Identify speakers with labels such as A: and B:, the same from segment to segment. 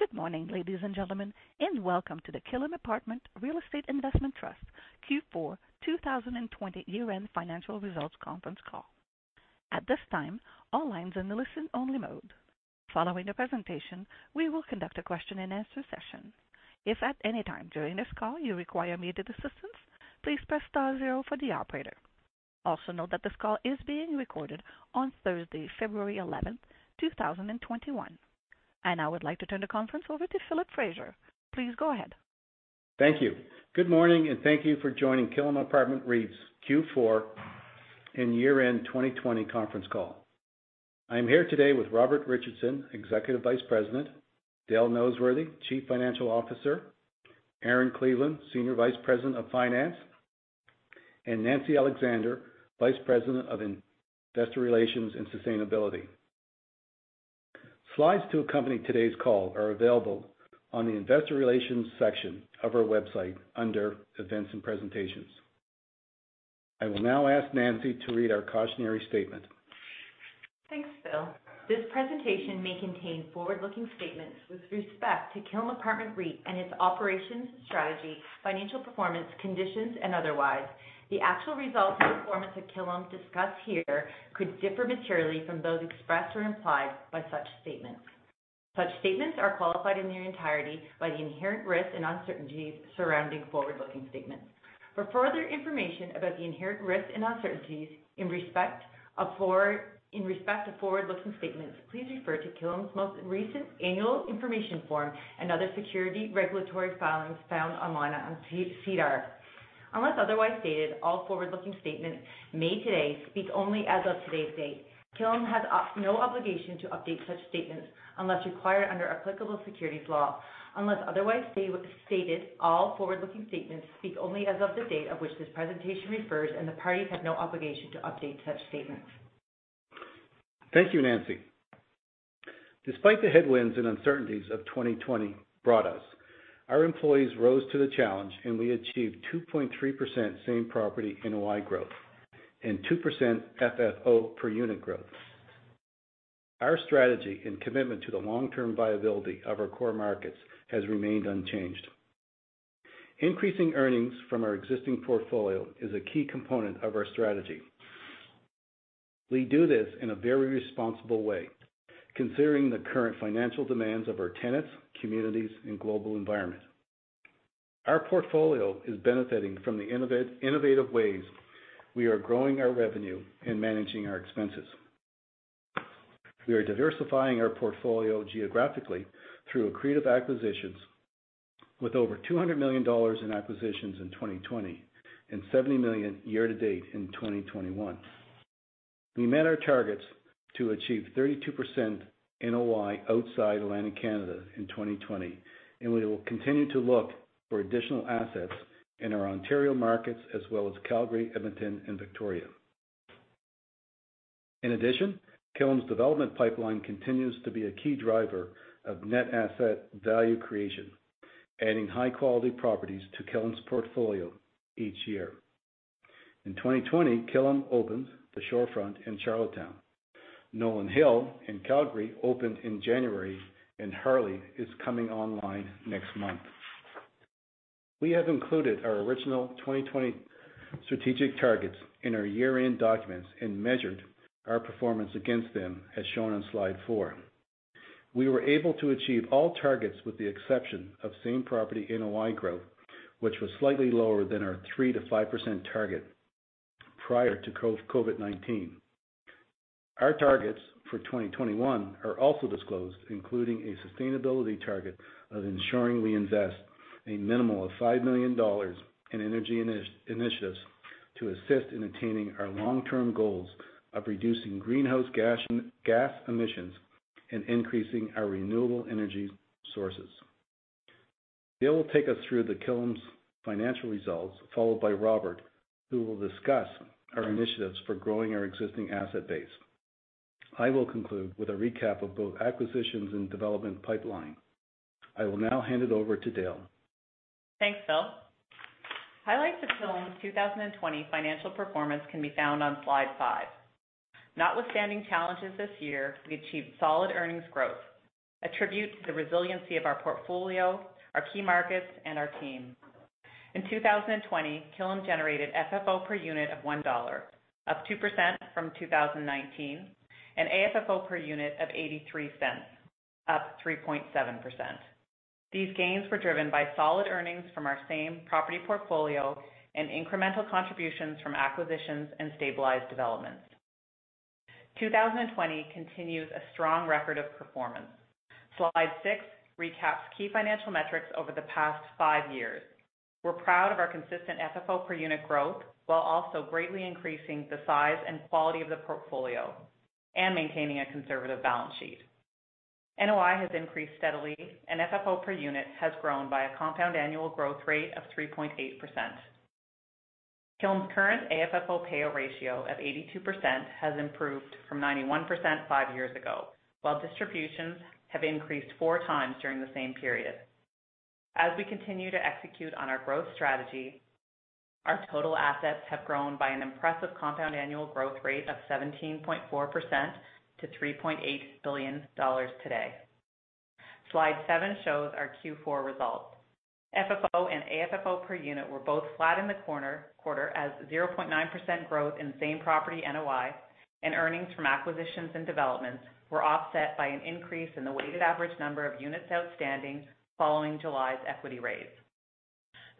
A: Good morning, ladies and gentlemen, and welcome to the Killam Apartment Real Estate Investment Trust Q4 2020 year-end financial results conference call. At this time, all lines are in listen-only mode. Following the presentation, we will conduct a question and answer session. If at any time during this call you require any assistance, please press star zero for the operator. Also note that this call is being recorded on Thursday, February 11, 2021. I now would like to turn the conference over to Philip Fraser. Please go ahead.
B: Thank you. Good morning, and thank you for joining Killam Apartment REIT's Q4 and year-end 2020 conference call. I'm here today with Robert Richardson, Executive Vice President, Dale Noseworthy, Chief Financial Officer, Erin Cleveland, Senior Vice President of Finance, and Nancy Alexander, Vice President of Investor Relations and Sustainability. Slides to accompany today's call are available on the investor relations section of our website under events and presentations. I will now ask Nancy to read our cautionary statement.
C: Thanks, Phil. This presentation may contain forward-looking statements with respect to Killam Apartment REIT and its operations, strategy, financial performance conditions, and otherwise. The actual results and performance of Killam discussed here could differ materially from those expressed or implied by such statements. Such statements are qualified in their entirety by the inherent risks and uncertainties surrounding forward-looking statements. For further information about the inherent risks and uncertainties in respect to forward-looking statements, please refer to Killam's most recent annual information form and other security regulatory filings found online on SEDAR. Unless otherwise stated, all forward-looking statements made today speak only as of today's date. Killam has no obligation to update such statements unless required under applicable securities law. Unless otherwise stated, all forward-looking statements speak only as of the date of which this presentation refers, and the parties have no obligation to update such statements.
B: Thank you, Nancy. Despite the headwinds and uncertainties 2020 brought us, our employees rose to the challenge, and we achieved 2.3% same-property NOI growth and 2% FFO per unit growth. Our strategy and commitment to the long-term viability of our core markets has remained unchanged. Increasing earnings from our existing portfolio is a key component of our strategy. We do this in a very responsible way, considering the current financial demands of our tenants, communities, and global environment. Our portfolio is benefiting from the innovative ways we are growing our revenue and managing our expenses. We are diversifying our portfolio geographically through accretive acquisitions with over 200 million dollars in acquisitions in 2020 and 70 million year to date in 2021. We met our targets to achieve 32% NOI outside Atlantic Canada in 2020. We will continue to look for additional assets in our Ontario markets as well as Calgary, Edmonton, and Victoria. In addition, Killam's development pipeline continues to be a key driver of net asset value creation, adding high-quality properties to Killam's portfolio each year. In 2020, Killam opened The Shorefront in Charlottetown. Nolan Hill in Calgary opened in January. Harley is coming online next month. We have included our original 2020 strategic targets in our year-end documents and measured our performance against them, as shown on slide four. We were able to achieve all targets with the exception of same-property NOI growth, which was slightly lower than our 3%-5% target prior to COVID-19. Our targets for 2021 are also disclosed, including a sustainability target of ensuring we invest a minimum of 5 million dollars in energy initiatives to assist in attaining our long-term goals of reducing greenhouse gas emissions and increasing our renewable energy sources. Dale will take us through the Killam's financial results, followed by Robert, who will discuss our initiatives for growing our existing asset base. I will conclude with a recap of both acquisitions and development pipeline. I will now hand it over to Dale.
D: Thanks, Phil. Highlights of Killam's 2020 financial performance can be found on slide five. Notwithstanding challenges this year, we achieved solid earnings growth, attribute to the resiliency of our portfolio, our key markets, and our team. In 2020, Killam generated FFO per unit of 1.00 dollar, up 2% from 2019, and AFFO per unit of 0.83, up 3.7%. These gains were driven by solid earnings from our same property portfolio and incremental contributions from acquisitions and stabilized developments. 2020 continues a strong record of performance. Slide six recaps key financial metrics over the past five years. We're proud of our consistent FFO per unit growth while also greatly increasing the size and quality of the portfolio and maintaining a conservative balance sheet. NOI has increased steadily, and FFO per unit has grown by a compound annual growth rate of 3.8%. Killam's current AFFO payout ratio of 82% has improved from 91% five years ago, while distributions have increased 4x during the same period. As we continue to execute on our growth strategy, our total assets have grown by an impressive compound annual growth rate of 17.4% to 3.8 billion dollars today. Slide seven shows our Q4 results. FFO and AFFO per unit were both flat in the quarter as 0.9% growth in same-property NOI and earnings from acquisitions and developments were offset by an increase in the weighted average number of units outstanding following July's equity raise.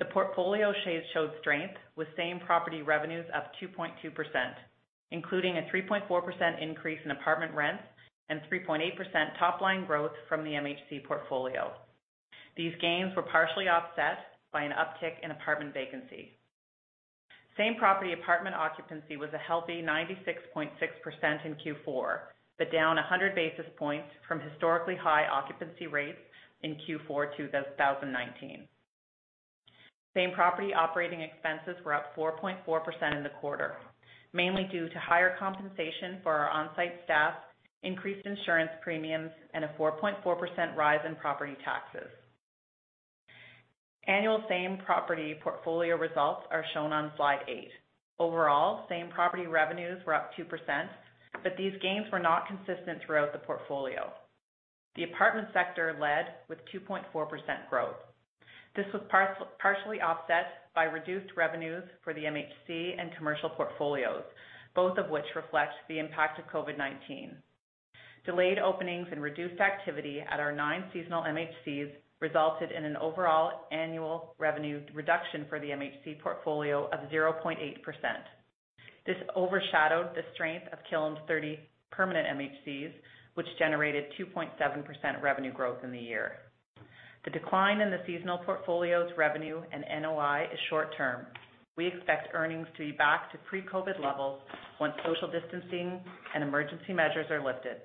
D: The portfolio showed strength with same-property revenues up 2.2%, including a 3.4% increase in apartment rents and 3.8% top-line growth from the MHC portfolio. These gains were partially offset by an uptick in apartment vacancy. Same-property apartment occupancy was a healthy 96.6% in Q4, but down 100 basis points from historically high occupancy rates in Q4 2019. Same-property operating expenses were up 4.4% in the quarter, mainly due to higher compensation for our on-site staff, increased insurance premiums, and a 4.4% rise in property taxes. Annual same-property portfolio results are shown on slide eight. Overall, same-property revenues were up 2%, these gains were not consistent throughout the portfolio. The apartment sector led with 2.4% growth. This was partially offset by reduced revenues for the MHC and commercial portfolios, both of which reflect the impact of COVID-19. Delayed openings and reduced activity at our nine seasonal MHCs resulted in an overall annual revenue reduction for the MHC portfolio of 0.8%. This overshadowed the strength of Killam's 30 permanent MHCs, which generated 2.7% revenue growth in the year. The decline in the seasonal portfolio's revenue and NOI is short-term. We expect earnings to be back to pre-COVID levels once social distancing and emergency measures are lifted.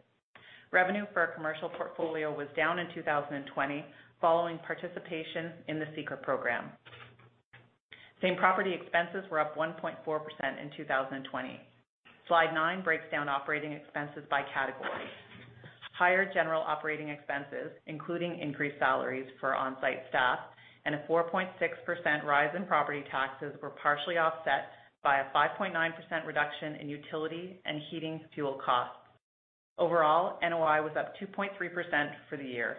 D: Revenue for our commercial portfolio was down in 2020 following participation in the CECRA program. Same-property expenses were up 1.4% in 2020. Slide nine breaks down operating expenses by category. Higher general operating expenses, including increased salaries for on-site staff and a 4.6% rise in property taxes, were partially offset by a 5.9% reduction in utility and heating fuel costs. Overall, NOI was up 2.3% for the year.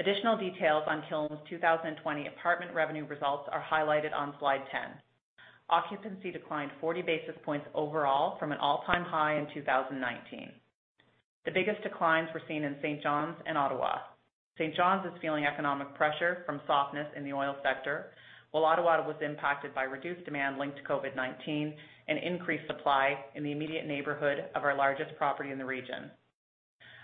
D: Additional details on Killam's 2020 apartment revenue results are highlighted on slide 10. Occupancy declined 40 basis points overall from an all-time high in 2019. The biggest declines were seen in St. John's and Ottawa. St. John's is feeling economic pressure from softness in the oil sector, while Ottawa was impacted by reduced demand linked to COVID-19 and increased supply in the immediate neighborhood of our largest property in the region.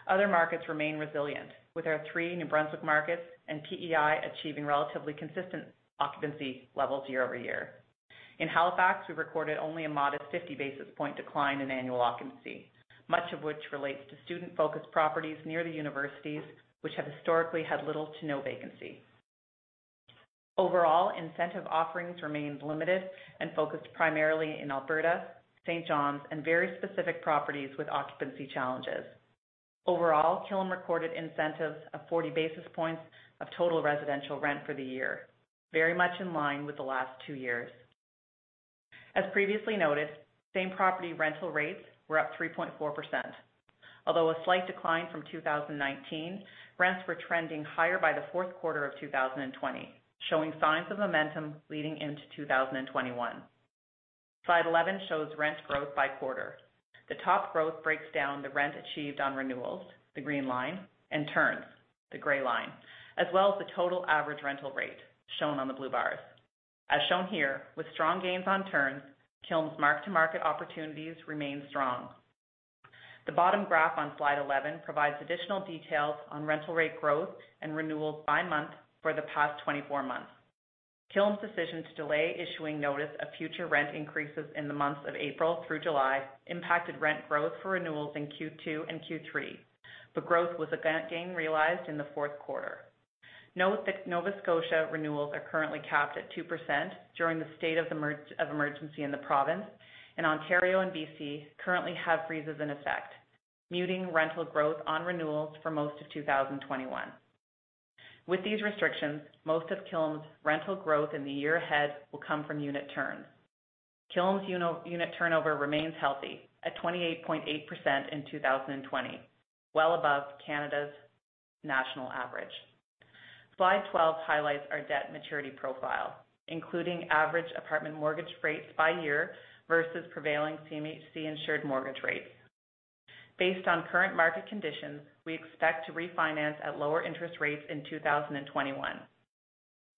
D: Other markets remain resilient, with our three New Brunswick markets and PEI achieving relatively consistent occupancy levels year-over-year. In Halifax, we recorded only a modest 50 basis point decline in annual occupancy, much of which relates to student-focused properties near the universities, which have historically had little to no vacancy. Overall, incentive offerings remained limited and focused primarily in Alberta, St. John's, and very specific properties with occupancy challenges. Overall, Killam recorded incentives of 40 basis points of total residential rent for the year, very much in line with the last two years. As previously noted, same-property rental rates were up 3.4%. Although a slight decline from 2019, rents were trending higher by the fourth quarter of 2020, showing signs of momentum leading into 2021. Slide 11 shows rent growth by quarter. The top growth breaks down the rent achieved on renewals, the green line, and turns, the gray line, as well as the total average rental rate, shown on the blue bars. As shown here, with strong gains on turns, Killam's mark-to-market opportunities remain strong. The bottom graph on slide 11 provides additional details on rental rate growth and renewals by month for the past 24 months. Killam's decision to delay issuing notice of future rent increases in the months of April through July impacted rent growth for renewals in Q2 and Q3, but growth was again realized in the fourth quarter. Note that Nova Scotia renewals are currently capped at 2% during the state of emergency in the province, and Ontario and BC currently have freezes in effect, muting rental growth on renewals for most of 2021. With these restrictions, most of Killam's rental growth in the year ahead will come from unit turns. Killam's unit turnover remains healthy at 28.8% in 2020, well above Canada's national average. Slide 12 highlights our debt maturity profile, including average apartment mortgage rates by year versus prevailing CMHC-insured mortgage rates. Based on current market conditions, we expect to refinance at lower interest rates in 2021,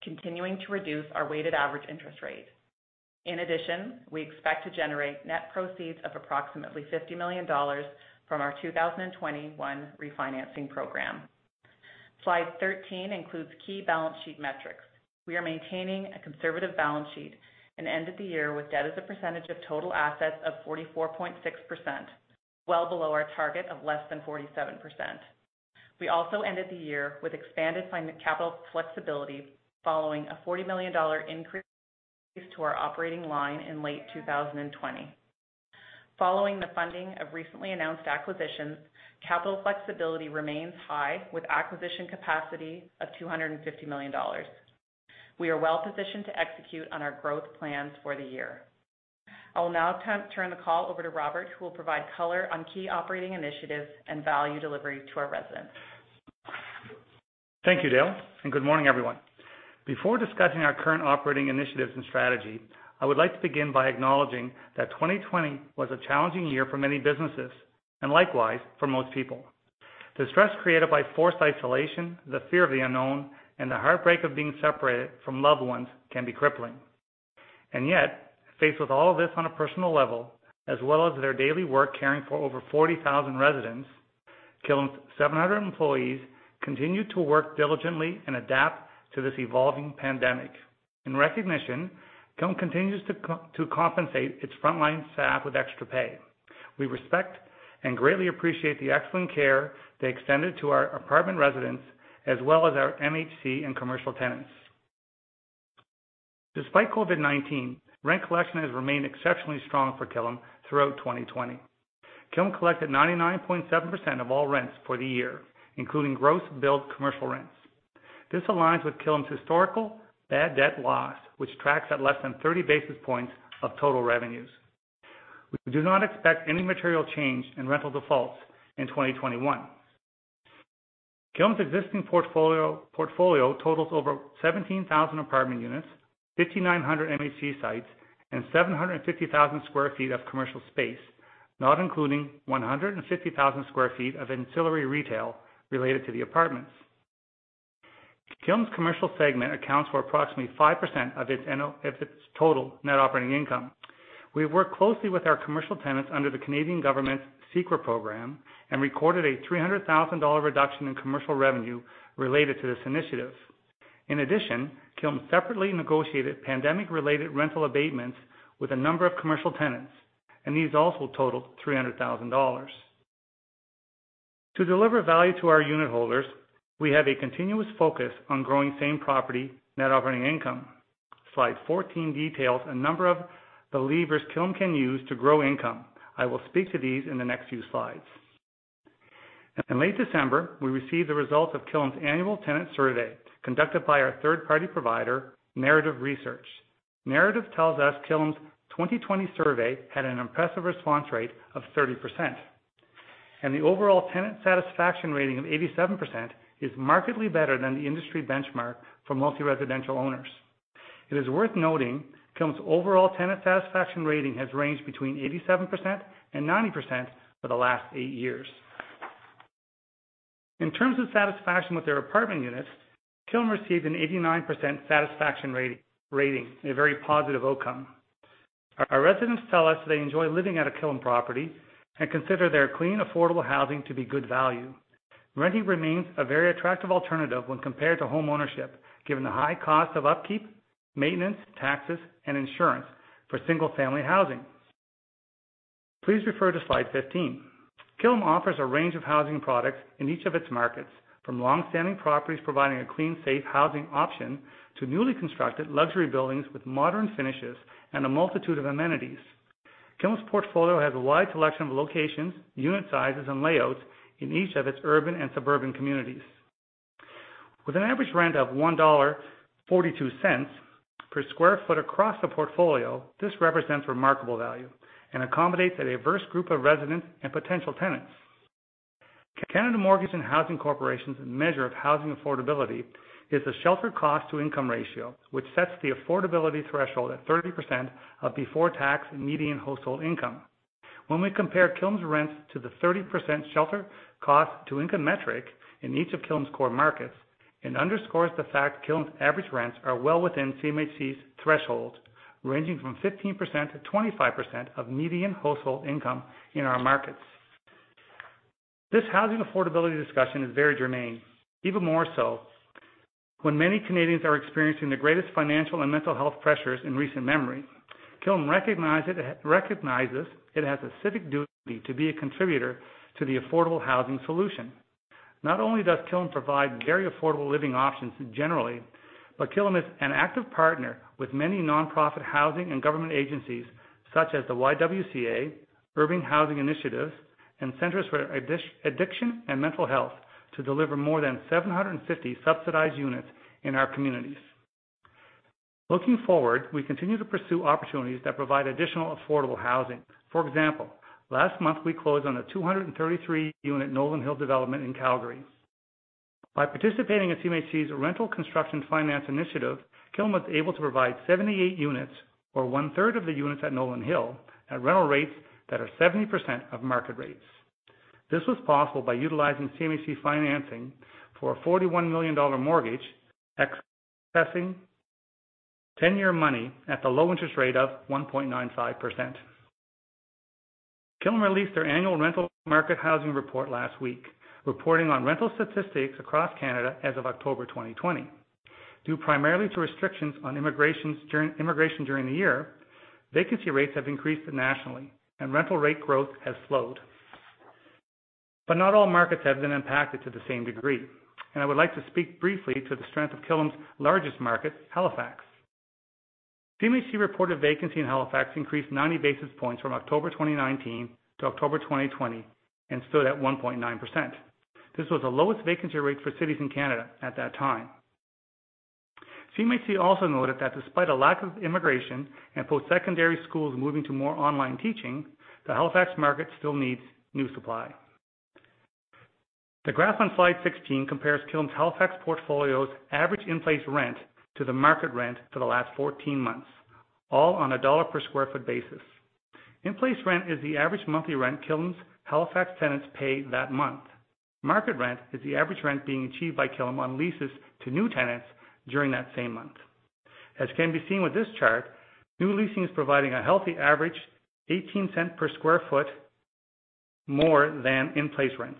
D: continuing to reduce our weighted average interest rate. In addition, we expect to generate net proceeds of approximately 50 million dollars from our 2021 refinancing program. Slide 13 includes key balance sheet metrics. We are maintaining a conservative balance sheet and ended the year with debt as a percentage of total assets of 44.6%, well below our target of less than 47%. We also ended the year with expanded capital flexibility following a 40 million dollar increase to our operating line in late 2020. Following the funding of recently announced acquisitions, capital flexibility remains high, with acquisition capacity of 250 million dollars. We are well-positioned to execute on our growth plans for the year. I will now turn the call over to Robert, who will provide color on key operating initiatives and value delivery to our residents.
E: Thank you, Dale. Good morning, everyone. Before discussing our current operating initiatives and strategy, I would like to begin by acknowledging that 2020 was a challenging year for many businesses and likewise for most people. The stress created by forced isolation, the fear of the unknown, and the heartbreak of being separated from loved ones can be crippling. Yet, faced with all of this on a personal level, as well as their daily work caring for over 40,000 residents, Killam's 700 employees continued to work diligently and adapt to this evolving pandemic. In recognition, Killam continues to compensate its frontline staff with extra pay. We respect and greatly appreciate the excellent care they extended to our apartment residents as well as our MHC and commercial tenants. Despite COVID-19, rent collection has remained exceptionally strong for Killam throughout 2020. Killam collected 99.7% of all rents for the year, including gross billed commercial rents. This aligns with Killam's historical bad debt loss, which tracks at less than 30 basis points of total revenues. We do not expect any material change in rental defaults in 2021. Killam's existing portfolio totals over 17,000 apartment units, 5,900 MHC sites, and 750,000 sq ft of commercial space, not including 150,000 sq ft of ancillary retail related to the apartments. Killam's commercial segment accounts for approximately 5% of its total net operating income. We've worked closely with our commercial tenants under the Canadian government's CECRA program and recorded a 300,000 dollar reduction in commercial revenue related to this initiative. In addition, Killam separately negotiated pandemic-related rental abatements with a number of commercial tenants, and these also totaled 300,000 dollars. To deliver value to our unit holders, we have a continuous focus on growing same property net operating income. Slide 14 details a number of the levers Killam can use to grow income. I will speak to these in the next few slides. In late December, we received the results of Killam's annual tenant survey conducted by our third-party provider, Narrative Research. Narrative tells us Killam's 2020 survey had an impressive response rate of 30%, and the overall tenant satisfaction rating of 87% is markedly better than the industry benchmark for multi-residential owners. It is worth noting Killam's overall tenant satisfaction rating has ranged between 87% and 90% for the last eight years. In terms of satisfaction with their apartment units, Killam received an 89% satisfaction rating, a very positive outcome. Our residents tell us they enjoy living at a Killam property and consider their clean, affordable housing to be good value. Renting remains a very attractive alternative when compared to home ownership, given the high cost of upkeep, maintenance, taxes, and insurance for single-family housing. Please refer to slide 15. Killam offers a range of housing products in each of its markets, from long-standing properties providing a clean, safe housing option to newly constructed luxury buildings with modern finishes and a multitude of amenities. Killam's portfolio has a wide selection of locations, unit sizes, and layouts in each of its urban and suburban communities. With an average rent of 1.42 dollar per square foot across the portfolio, this represents remarkable value and accommodates a diverse group of residents and potential tenants. Canada Mortgage and Housing Corporation's measure of housing affordability is a shelter cost-to-income ratio, which sets the affordability threshold at 30% of before-tax median household income. When we compare Killam's rents to the 30% shelter cost to income metric in each of Killam's core markets, it underscores the fact Killam's average rents are well within CMHC's threshold, ranging from 15%-25% of median household income in our markets. This housing affordability discussion is very germane, even more so when many Canadians are experiencing the greatest financial and mental health pressures in recent memory. Killam recognizes it has a civic duty to be a contributor to the affordable housing solution. Not only does Killam provide very affordable living options generally, Killam is an active partner with many nonprofit housing and government agencies such as the YWCA, Urban Housing Initiatives, and Centers for Addiction and Mental Health to deliver more than 750 subsidized units in our communities. Looking forward, we continue to pursue opportunities that provide additional affordable housing. For example, last month, we closed on a 233-unit Nolan Hill development in Calgary. By participating in CMHC's Rental Construction Financing Initiative, Killam was able to provide 78 units, or 1/3 of the units at Nolan Hill, at rental rates that are 70% of market rates. This was possible by utilizing CMHC financing for a 41 million dollar mortgage, accessing 10-year money at the low interest rate of 1.95%. Killam released their annual rental market housing report last week, reporting on rental statistics across Canada as of October 2020. Due primarily to restrictions on immigration during the year, vacancy rates have increased nationally, and rental rate growth has slowed. Not all markets have been impacted to the same degree. I would like to speak briefly to the strength of Killam's largest market, Halifax. CMHC reported vacancy in Halifax increased 90 basis points from October 2019 to October 2020 and stood at 1.9%. This was the lowest vacancy rate for cities in Canada at that time. CMHC also noted that despite a lack of immigration and post-secondary schools moving to more online teaching, the Halifax market still needs new supply. The graph on slide 16 compares Killam's Halifax portfolio's average in-place rent to the market rent for the last 14 months, all on a Canadian dollar per square foot basis. In-place rent is the average monthly rent Killam's Halifax tenants paid that month. Market rent is the average rent being achieved by Killam on leases to new tenants during that same month. As can be seen with this chart, new leasing is providing a healthy average 0.18 per square foot more than in-place rents.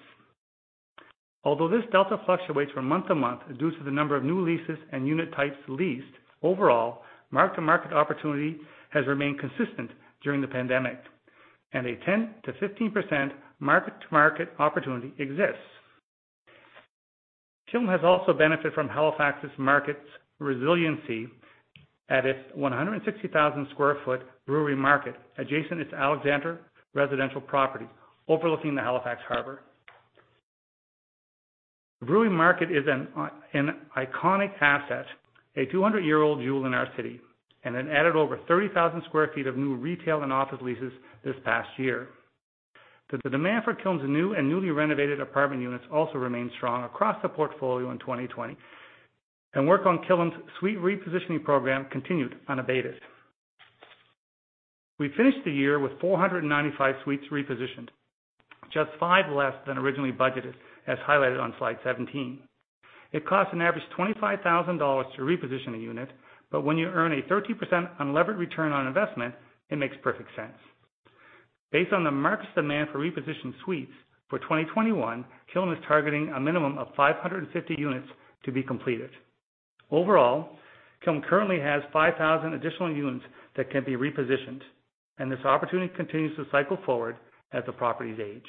E: Although this delta fluctuates from month to month due to the number of new leases and unit types leased, overall, mark-to-market opportunity has remained consistent during the pandemic, and a 10%-15% market-to-market opportunity exists. Killam has also benefited from Halifax's market resiliency at its 160,000 sq ft Brewery Market, adjacent its The Alexander residential property overlooking the Halifax Harbor. The Brewery Market is an iconic asset, a 200-year-old jewel in our city, and it added over 30,000 sq ft of new retail and office leases this past year. The demand for Killam's new and newly renovated apartment units also remained strong across the portfolio in 2020. Work on Killam's suite repositioning program continued unabated. We finished the year with 495 suites repositioned, just five less than originally budgeted, as highlighted on slide 17. It costs an average of 25,000 dollars to reposition a unit, but when you earn a 30% unlevered return on investment, it makes perfect sense. Based on the market's demand for repositioned suites, for 2021, Killam is targeting a minimum of 550 units to be completed. Overall, Killam currently has 5,000 additional units that can be repositioned. This opportunity continues to cycle forward as the properties age.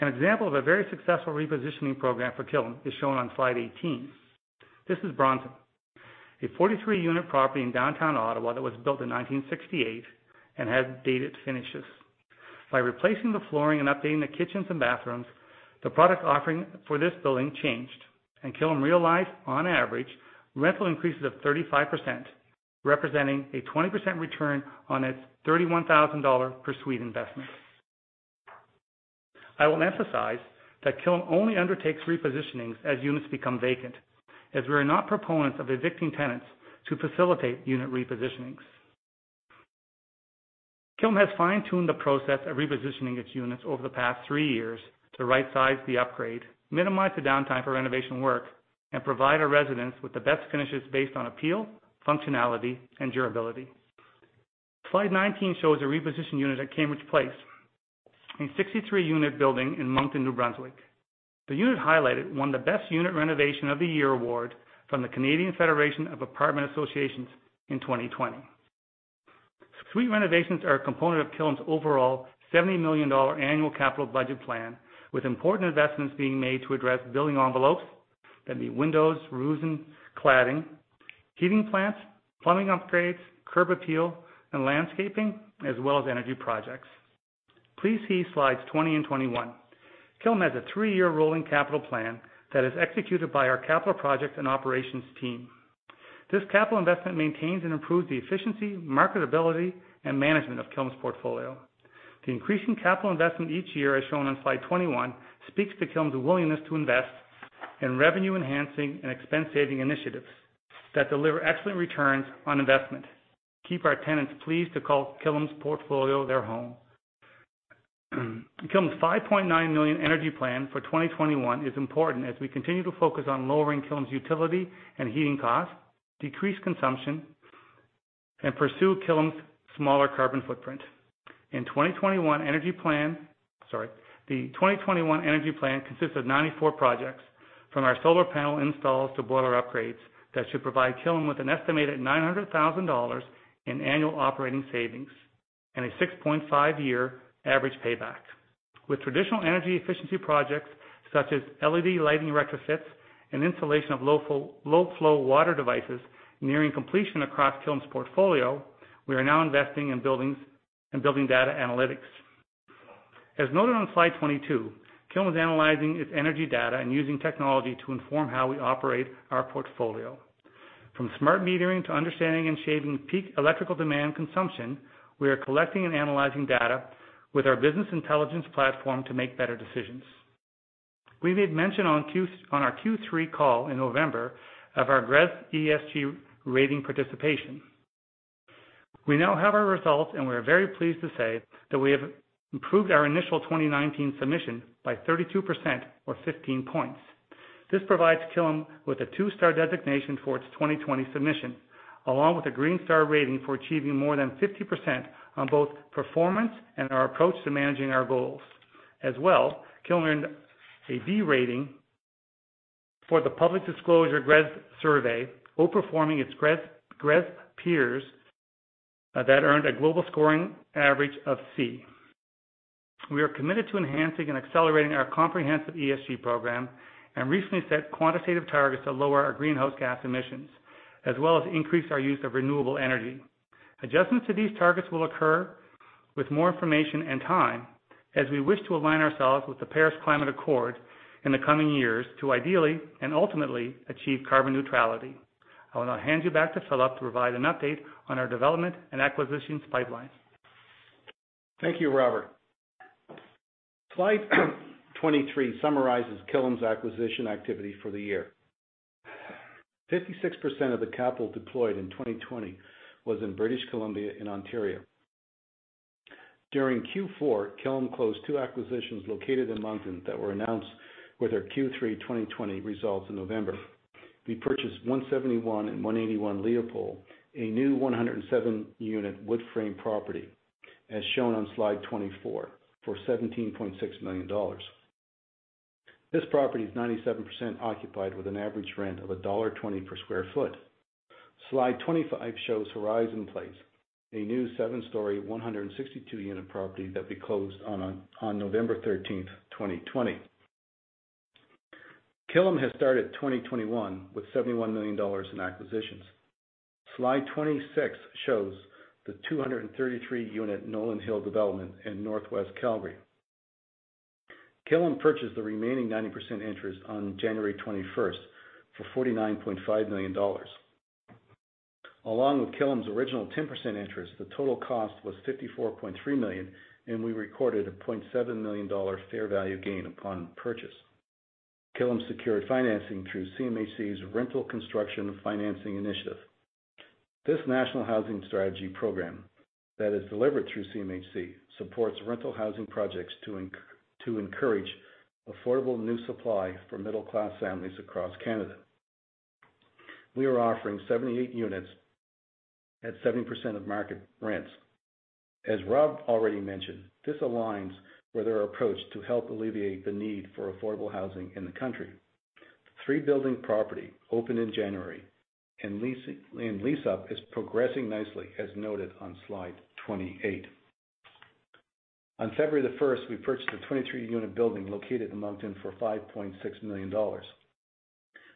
E: An example of a very successful repositioning program for Killam is shown on slide 18. This is Bronson, a 43-unit property in downtown Ottawa that was built in 1968 and has dated finishes. By replacing the flooring and updating the kitchens and bathrooms, the product offering for this building changed, and Killam realized on average rental increases of 35%, representing a 20% return on its 31,000 dollar per suite investment. I will emphasize that Killam only undertakes repositionings as units become vacant, as we are not proponents of evicting tenants to facilitate unit repositionings. Killam has fine-tuned the process of repositioning its units over the past three years to right-size the upgrade, minimize the downtime for renovation work, and provide our residents with the best finishes based on appeal, functionality, and durability. Slide 19 shows a repositioned unit at Cambridge Place, a 63-unit building in Moncton, New Brunswick. The unit highlighted won the Best Unit Renovation of the Year award from the Canadian Federation of Apartment Associations in 2020. Suite renovations are a component of Killam's overall 70 million dollar annual capital budget plan, with important investments being made to address building envelopes, that'd be windows, roofs, and cladding, heating plants, plumbing upgrades, curb appeal, and landscaping, as well as energy projects. Please see slides 20 and 21. Killam has a three-year rolling capital plan that is executed by our capital projects and operations team. This capital investment maintains and improves the efficiency, marketability, and management of Killam's portfolio. The increasing capital investment each year, as shown on slide 21, speaks to Killam's willingness to invest in revenue-enhancing and expense-saving initiatives that deliver excellent returns on investment, keep our tenants pleased to call Killam's portfolio their home. Killam's 5.9 million energy plan for 2021 is important as we continue to focus on lowering Killam's utility and heating costs, decrease consumption, and pursue Killam's smaller carbon footprint. In 2021 energy plan, sorry. The 2021 energy plan consists of 94 projects, from our solar panel installs to boiler upgrades that should provide Killam with an estimated 900,000 dollars in annual operating savings and a 6.5 year average payback. With traditional energy efficiency projects such as LED lighting retrofits and installation of low-flow water devices nearing completion across Killam's portfolio, we are now investing in buildings and building data analytics. As noted on slide 22, Killam is analyzing its energy data and using technology to inform how we operate our portfolio. From smart metering to understanding and shaving peak electrical demand consumption, we are collecting and analyzing data with our business intelligence platform to make better decisions. We made mention on our Q3 call in November of our GRESB ESG rating participation. We now have our results. We are very pleased to say that we have improved our initial 2019 submission by 32% or 15 points. This provides Killam with a two-star designation for its 2020 submission, along with a green star rating for achieving more than 50% on both performance and our approach to managing our goals. As well, Killam earned a B rating for the public disclosure GRESB survey, outperforming its GRESB peers that earned a global scoring average of C. We are committed to enhancing and accelerating our comprehensive ESG program and recently set quantitative targets to lower our greenhouse gas emissions, as well as increase our use of renewable energy. Adjustments to these targets will occur with more information and time as we wish to align ourselves with the Paris Climate Accord in the coming years to ideally and ultimately achieve carbon neutrality. I will now hand you back to Philip to provide an update on our development and acquisitions pipeline.
B: Thank you, Robert. Slide 23 summarizes Killam's acquisition activity for the year. 56% of the capital deployed in 2020 was in British Columbia and Ontario. During Q4, Killam closed two acquisitions located in Moncton that were announced with our Q3 2020 results in November. We purchased 171 and 181 Leopold, a new 107-unit wood frame property, as shown on slide 24, for 17.6 million dollars. This property is 97% occupied with an average rent of dollar 1.20 per square foot. Slide 25 shows Horizon Place, a new seven-story, 162-unit property that we closed on November 13, 2020. Killam has started 2021 with 71 million dollars in acquisitions. Slide 26 shows the 233-unit Nolan Hill development in Northwest Calgary. Killam purchased the remaining 90% interest on January 21st for 49.5 million dollars. Along with Killam's original 10% interest, the total cost was 54.3 million, and we recorded a 0.7 million dollar fair value gain upon purchase. Killam secured financing through CMHC's Rental Construction Financing Initiative. This national housing strategy program that is delivered through CMHC supports rental housing projects to encourage affordable new supply for middle-class families across Canada. We are offering 78 units at 70% of market rents. As Rob already mentioned, this aligns with our approach to help alleviate the need for affordable housing in the country. The three-building property opened in January and lease-up is progressing nicely, as noted on slide 28. On February the 1st, we purchased a 23-unit building located in Moncton for 5.6 million dollars.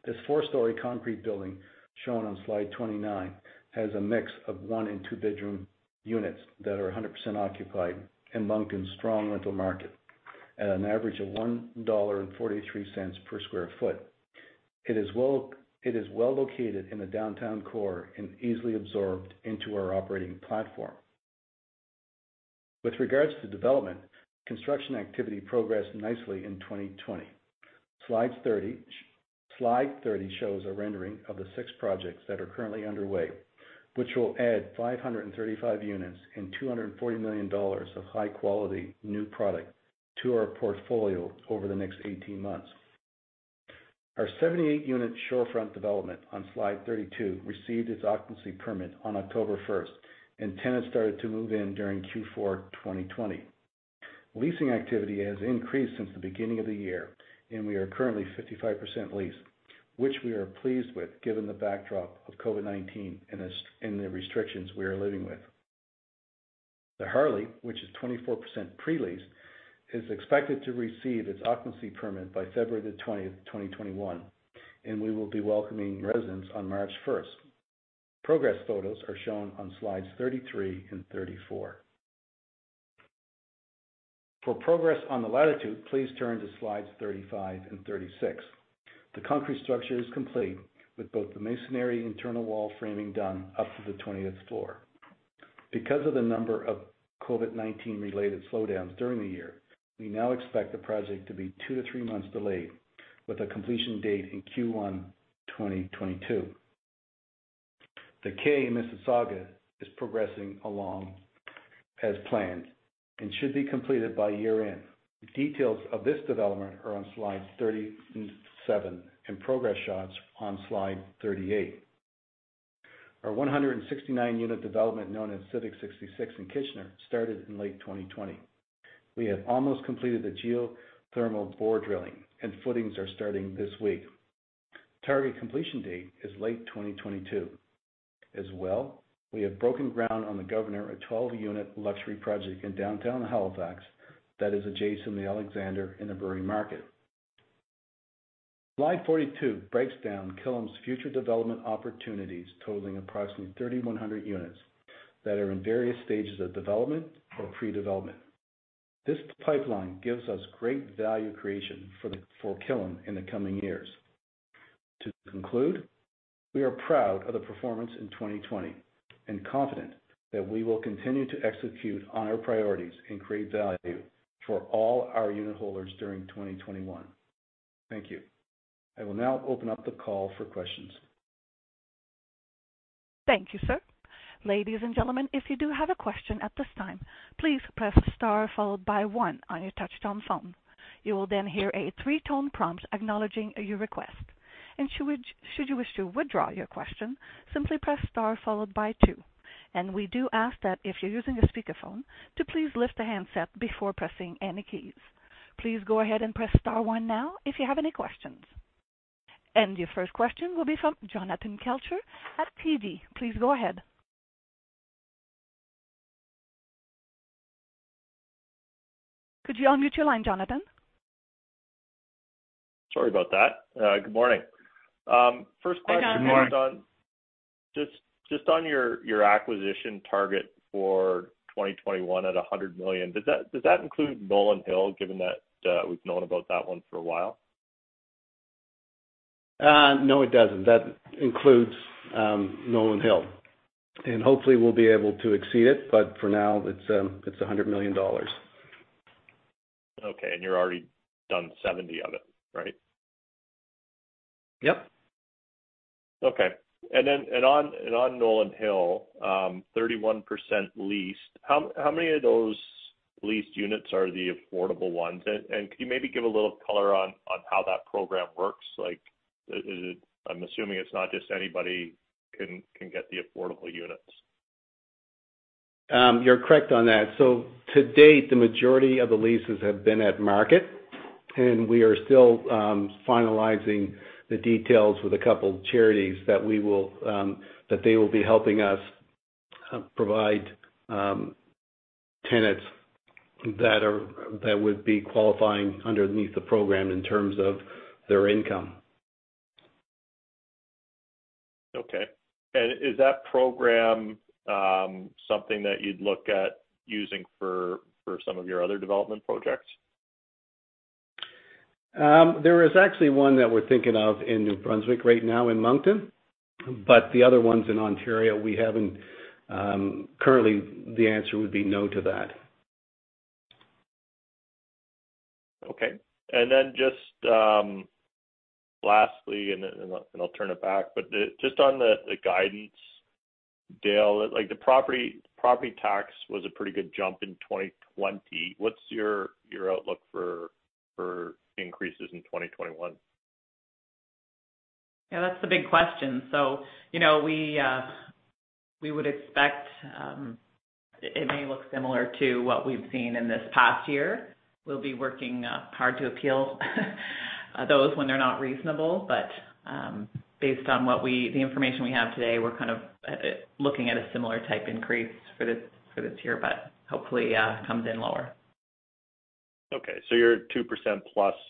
B: This four-story concrete building, shown on slide 29, has a mix of one and two-bedroom units that are 100% occupied in Moncton's strong rental market at an average of 1.43 dollar per square foot. It is well located in the downtown core and easily absorbed into our operating platform. With regards to development, construction activity progressed nicely in 2020. Slide 30 shows a rendering of the six projects that are currently underway, which will add 535 units and 240 million dollars of high-quality new product to our portfolio over the next 18 months. Our 78-unit The Shorefront development on slide 32 received its occupancy permit on October 1st, and tenants started to move in during Q4 2020. Leasing activity has increased since the beginning of the year, and we are currently 55% leased, which we are pleased with given the backdrop of COVID-19 and the restrictions we are living with. The Harley, which is 24% pre-leased, is expected to receive its occupancy permit by February the 20th, 2021, and we will be welcoming residents on March 1st. Progress photos are shown on slides 33 and 34. For progress on The Latitude, please turn to slides 35 and 36. The concrete structure is complete with both the masonry internal wall framing done up to the 20th floor. Because of the number of COVID-19 related slowdowns during the year, we now expect the project to be two to three months delayed with a completion date in Q1 2022. The Kay Mississauga is progressing along as planned and should be completed by year-end. Details of this development are on slide 37, and progress shots on slide 38. Our 169-unit development, known as Civic 66 in Kitchener, started in late 2020. We have almost completed the geothermal bore drilling, and footings are starting this week. Target completion date is late 2022. We have broken ground on The Governor, a 12-unit luxury project in downtown Halifax that is adjacent to The Alexander and Brewery Market. Slide 42 breaks down Killam's future development opportunities, totaling approximately 3,100 units that are in various stages of development or pre-development. This pipeline gives us great value creation for Killam in the coming years. To conclude, we are proud of the performance in 2020 and confident that we will continue to execute on our priorities and create value for all our unitholders during 2021. Thank you. I will now open up the call for questions.
A: Thank you, sir. Ladies and gentlemen, if you do have a question at this time, please press star followed by one on your touchtone phone. You will then hear a three-tone prompt acknowledging your request. Should you wish to withdraw your question, simply press star followed by two. We do ask that if you're using a speakerphone, to please lift the handset before pressing any keys. Please go ahead and press star one now if you have any questions. Your first question will be from Jonathan Kelcher at TD. Please go ahead. Could you unmute your line, Jonathan?
F: Sorry about that. Good morning.
B: Good morning.
F: Just on your acquisition target for 2021 at 100 million, does that include Nolan Hill, given that we've known about that one for a while?
B: No, it doesn't. That includes Nolan Hill. Hopefully we'll be able to exceed it, but for now, it's 100 million dollars.
F: Okay. You're already done 70% of it, right?
B: Yep.
F: Okay. On Nolan Hill, 31% leased. How many of those leased units are the affordable ones? Could you maybe give a little color on how that program works? I am assuming it is not just anybody can get the affordable units.
B: You're correct on that. To date, the majority of the leases have been at market, and we are still finalizing the details with a couple of charities that they will be helping us provide tenants that would be qualifying underneath the program in terms of their income.
F: Okay. Is that program something that you'd look at using for some of your other development projects?
B: There is actually one that we're thinking of in New Brunswick right now in Moncton. The other ones in Ontario, currently, the answer would be no to that.
F: Okay. Just lastly, and then I'll turn it back. Just on the guidance, Dale. The property tax was a pretty good jump in 2020. What's your outlook for increases in 2021?
D: Yeah, that's the big question. We would expect it may look similar to what we've seen in this past year. We'll be working hard to appeal those when they're not reasonable. Based on the information we have today, we're kind of looking at a similar type increase for this year, but hopefully comes in lower.
F: Okay. Your 2%+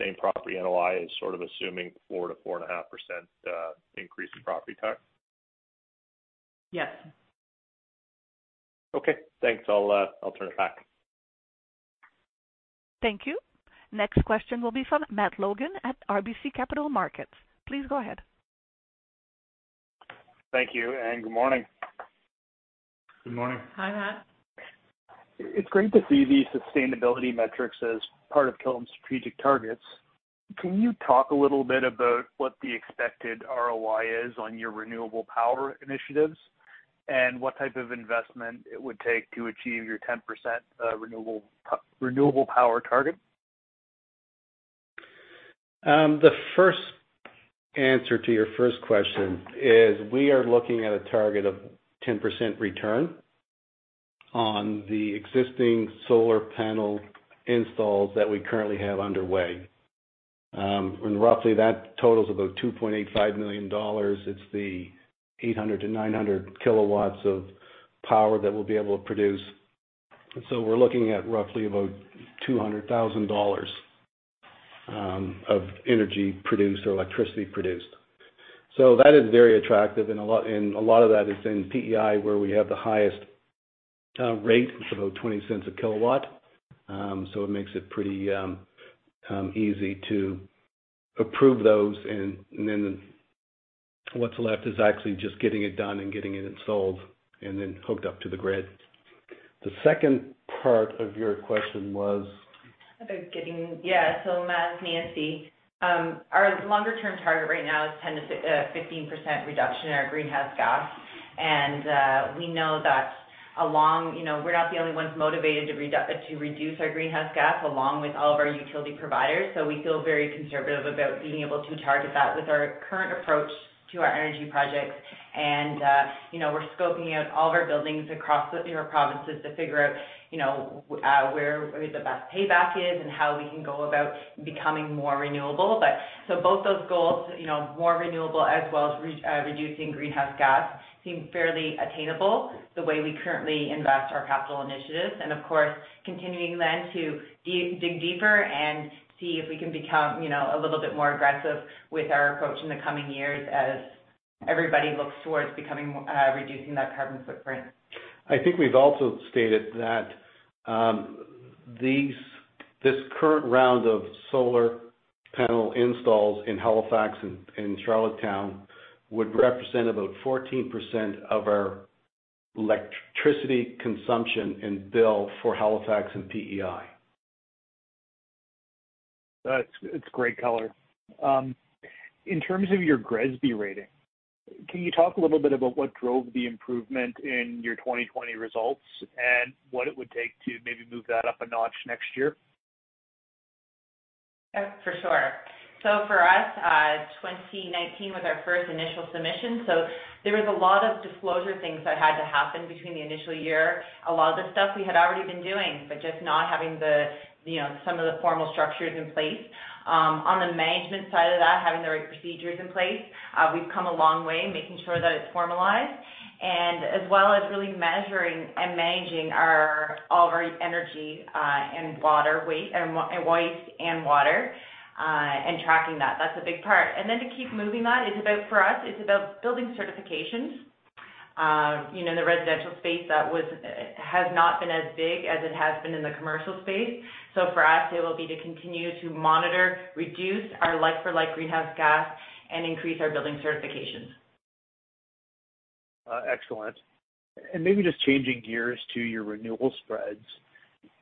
F: same property NOI is sort of assuming 4%-4.5% increase in property tax?
D: Yes.
F: Okay, thanks. I'll turn it back.
A: Thank you. Next question will be from Matt Logan at RBC Capital Markets. Please go ahead.
G: Thank you, and good morning.
B: Good morning.
D: Hi, Matt.
G: It's great to see the sustainability metrics as part of Killam's strategic targets. Can you talk a little bit about what the expected ROI is on your renewable power initiatives? What type of investment it would take to achieve your 10% renewable power target?
B: The first answer to your first question is we are looking at a target of 10% return on the existing solar panel installs that we currently have underway. Roughly that totals about 2.85 million dollars. It's the 800 kW-900 kW of power that we'll be able to produce. We're looking at roughly about 200,000 dollars of energy produced or electricity produced. That is very attractive, and a lot of that is in PEI where we have the highest rate. It's about 0.20 a kilowatt. It makes it pretty easy to approve those. What's left is actually just getting it done and getting it installed and then hooked up to the grid. The second part of your question was?
C: Yeah. Matt, it's Nancy. Our longer-term target right now is 10%-15% reduction in our greenhouse gas. We know that we're not the only ones motivated to reduce our greenhouse gas along with all of our utility providers. We feel very conservative about being able to target that with our current approach to our energy projects. We're scoping out all of our buildings across the provinces to figure out where the best payback is and how we can go about becoming more renewable. Both those goals, more renewable as well as reducing greenhouse gas seem fairly attainable the way we currently invest our capital initiatives. Of course, continuing then to dig deeper and see if we can become a little bit more aggressive with our approach in the coming years as everybody looks towards reducing that carbon footprint.
B: I think we've also stated that this current round of solar panel installs in Halifax and Charlottetown would represent about 14% of our electricity consumption and bill for Halifax and PEI.
G: That's great color. In terms of your GRESB rating, can you talk a little bit about what drove the improvement in your 2020 results and what it would take to maybe move that up a notch next year?
C: For sure. For us, 2019 was our first initial submission, so there was a lot of disclosure things that had to happen between the initial year. A lot of the stuff we had already been doing, but just not having some of the formal structures in place. On the management side of that, having the right procedures in place. We've come a long way, making sure that it's formalized, and as well as really measuring and managing all of our energy and waste and water, and tracking that. That's a big part. Then to keep moving that, for us, it's about building certifications. The residential space has not been as big as it has been in the commercial space. For us, it will be to continue to monitor, reduce our like-for-like greenhouse gas, and increase our building certifications.
G: Excellent. Maybe just changing gears to your renewal spreads.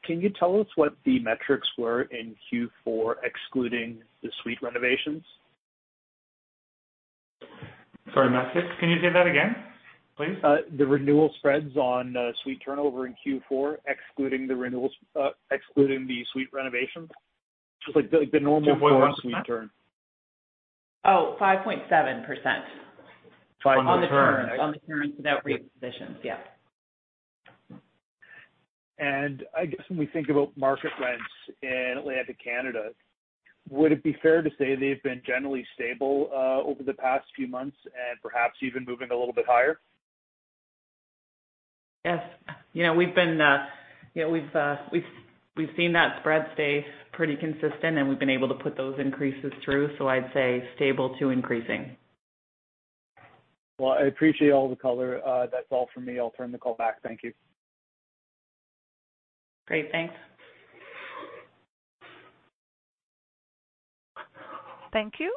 G: Can you tell us what the metrics were in Q4, excluding the suite renovations?
B: Sorry, Matt, can you say that again, please?
G: The renewal spreads on suite turnover in Q4, excluding the suite renovations. Just like the normal for a suite turn.
D: Oh, 5.7%.
G: For the turn?
D: On the turns without re-positions, yeah.
G: I guess when we think about market rents in Atlantic Canada, would it be fair to say they've been generally stable over the past few months and perhaps even moving a little bit higher?
D: Yes. We've seen that spread stay pretty consistent, and we've been able to put those increases through, so I'd say stable to increasing.
G: Well, I appreciate all the color. That's all from me. I'll turn the call back. Thank you.
D: Great. Thanks.
A: Thank you.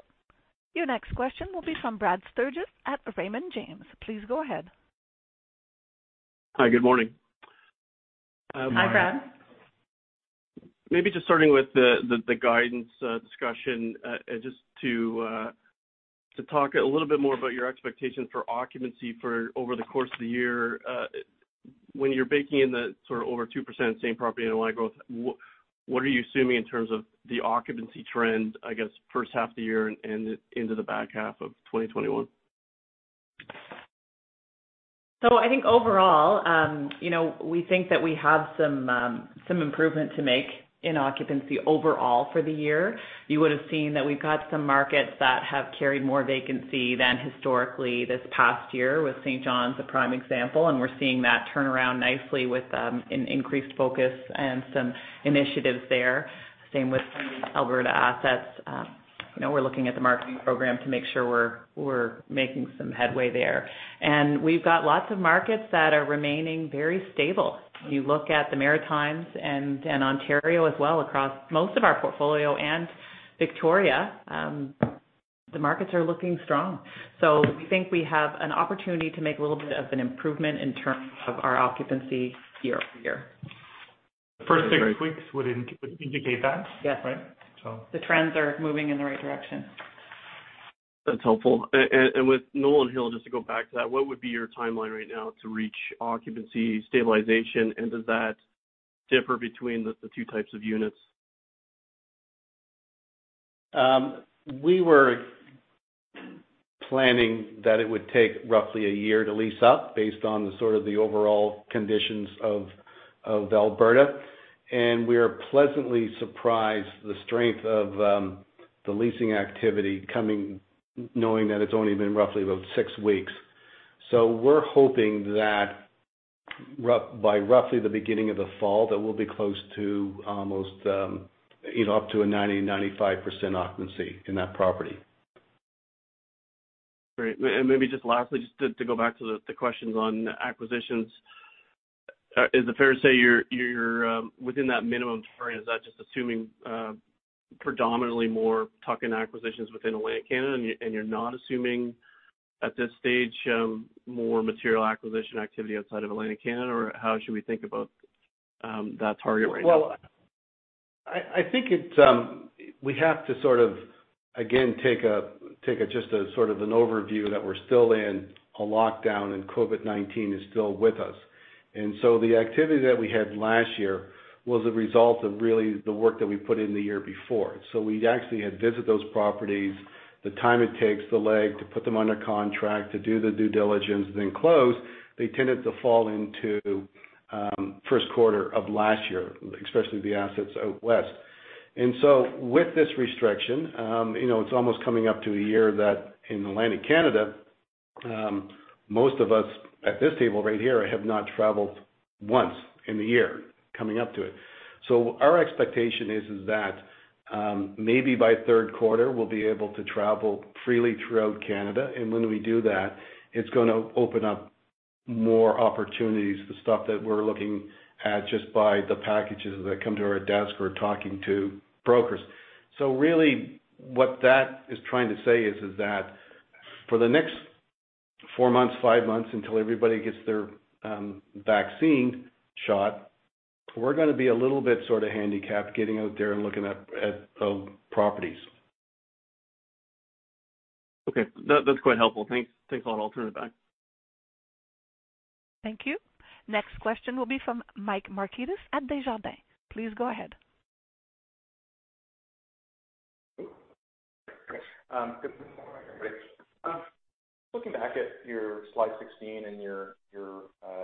A: Your next question will be from Brad Sturges at Raymond James. Please go ahead.
H: Hi. Good morning.
D: Hi, Brad.
H: Maybe just starting with the guidance, discussion, just to talk a little bit more about your expectations for occupancy for over the course of the year. When you're baking in the sort of over 2% same property NOI growth, what are you assuming in terms of the occupancy trend, I guess, first half of the year and into the back half of 2021?
D: I think overall, we think that we have some improvement to make in occupancy overall for the year. You would've seen that we've got some markets that have carried more vacancy than historically this past year, with St. John's a prime example, and we're seeing that turn around nicely with an increased focus and some initiatives there. Same with some of these Alberta assets. We're looking at the marketing program to make sure we're making some headway there. We've got lots of markets that are remaining very stable. You look at the Maritimes and Ontario as well, across most of our portfolio, and Victoria, the markets are looking strong. We think we have an opportunity to make a little bit of an improvement in terms of our occupancy year-over-year.
E: First six weeks would indicate that. Right?
D: Yes. The trends are moving in the right direction.
H: That's helpful. With Nolan Hill, just to go back to that, what would be your timeline right now to reach occupancy stabilization, and does that differ between the two types of units?
B: We were planning that it would take roughly a year to lease up based on the sort of the overall conditions of Alberta. We are pleasantly surprised the strength of the leasing activity coming, knowing that it's only been roughly about six weeks. We're hoping that by roughly the beginning of the fall, that we'll be close to almost up to a 90%-95% occupancy in that property.
H: Great. Maybe just lastly, just to go back to the questions on acquisitions. Is it fair to say you're within that minimum target? Is that just assuming predominantly more tuck-in acquisitions within Atlantic Canada, and you're not assuming at this stage, more material acquisition activity outside of Atlantic Canada, or how should we think about that target right now?
B: Well, I think we have to sort of, again, take just a sort of an overview that we're still in a lockdown and COVID-19 is still with us. The activity that we had last year was a result of really the work that we put in the year before. We actually had visited those properties. The time it takes, the leg, to put them under contract, to do the due diligence, then close, they tended to fall into first quarter of last year, especially the assets out West. With this restriction, it's almost coming up to a year that in Atlantic Canada, most of us at this table right here have not traveled once in the year coming up to it. Our expectation is that maybe by third quarter we'll be able to travel freely throughout Canada. When we do that, it's going to open up more opportunities, the stuff that we're looking at just by the packages that come to our desk. We're talking to brokers. Really what that is trying to say is that for the next four months, five months, until everybody gets their vaccine shot, we're going to be a little bit sort of handicapped getting out there and looking at properties.
H: Okay. That's quite helpful. Thanks a lot. I'll turn it back.
A: Thank you. Next question will be from Mike Markidis at Desjardins. Please go ahead.
I: Good morning, everybody. Looking back at your slide 16 and your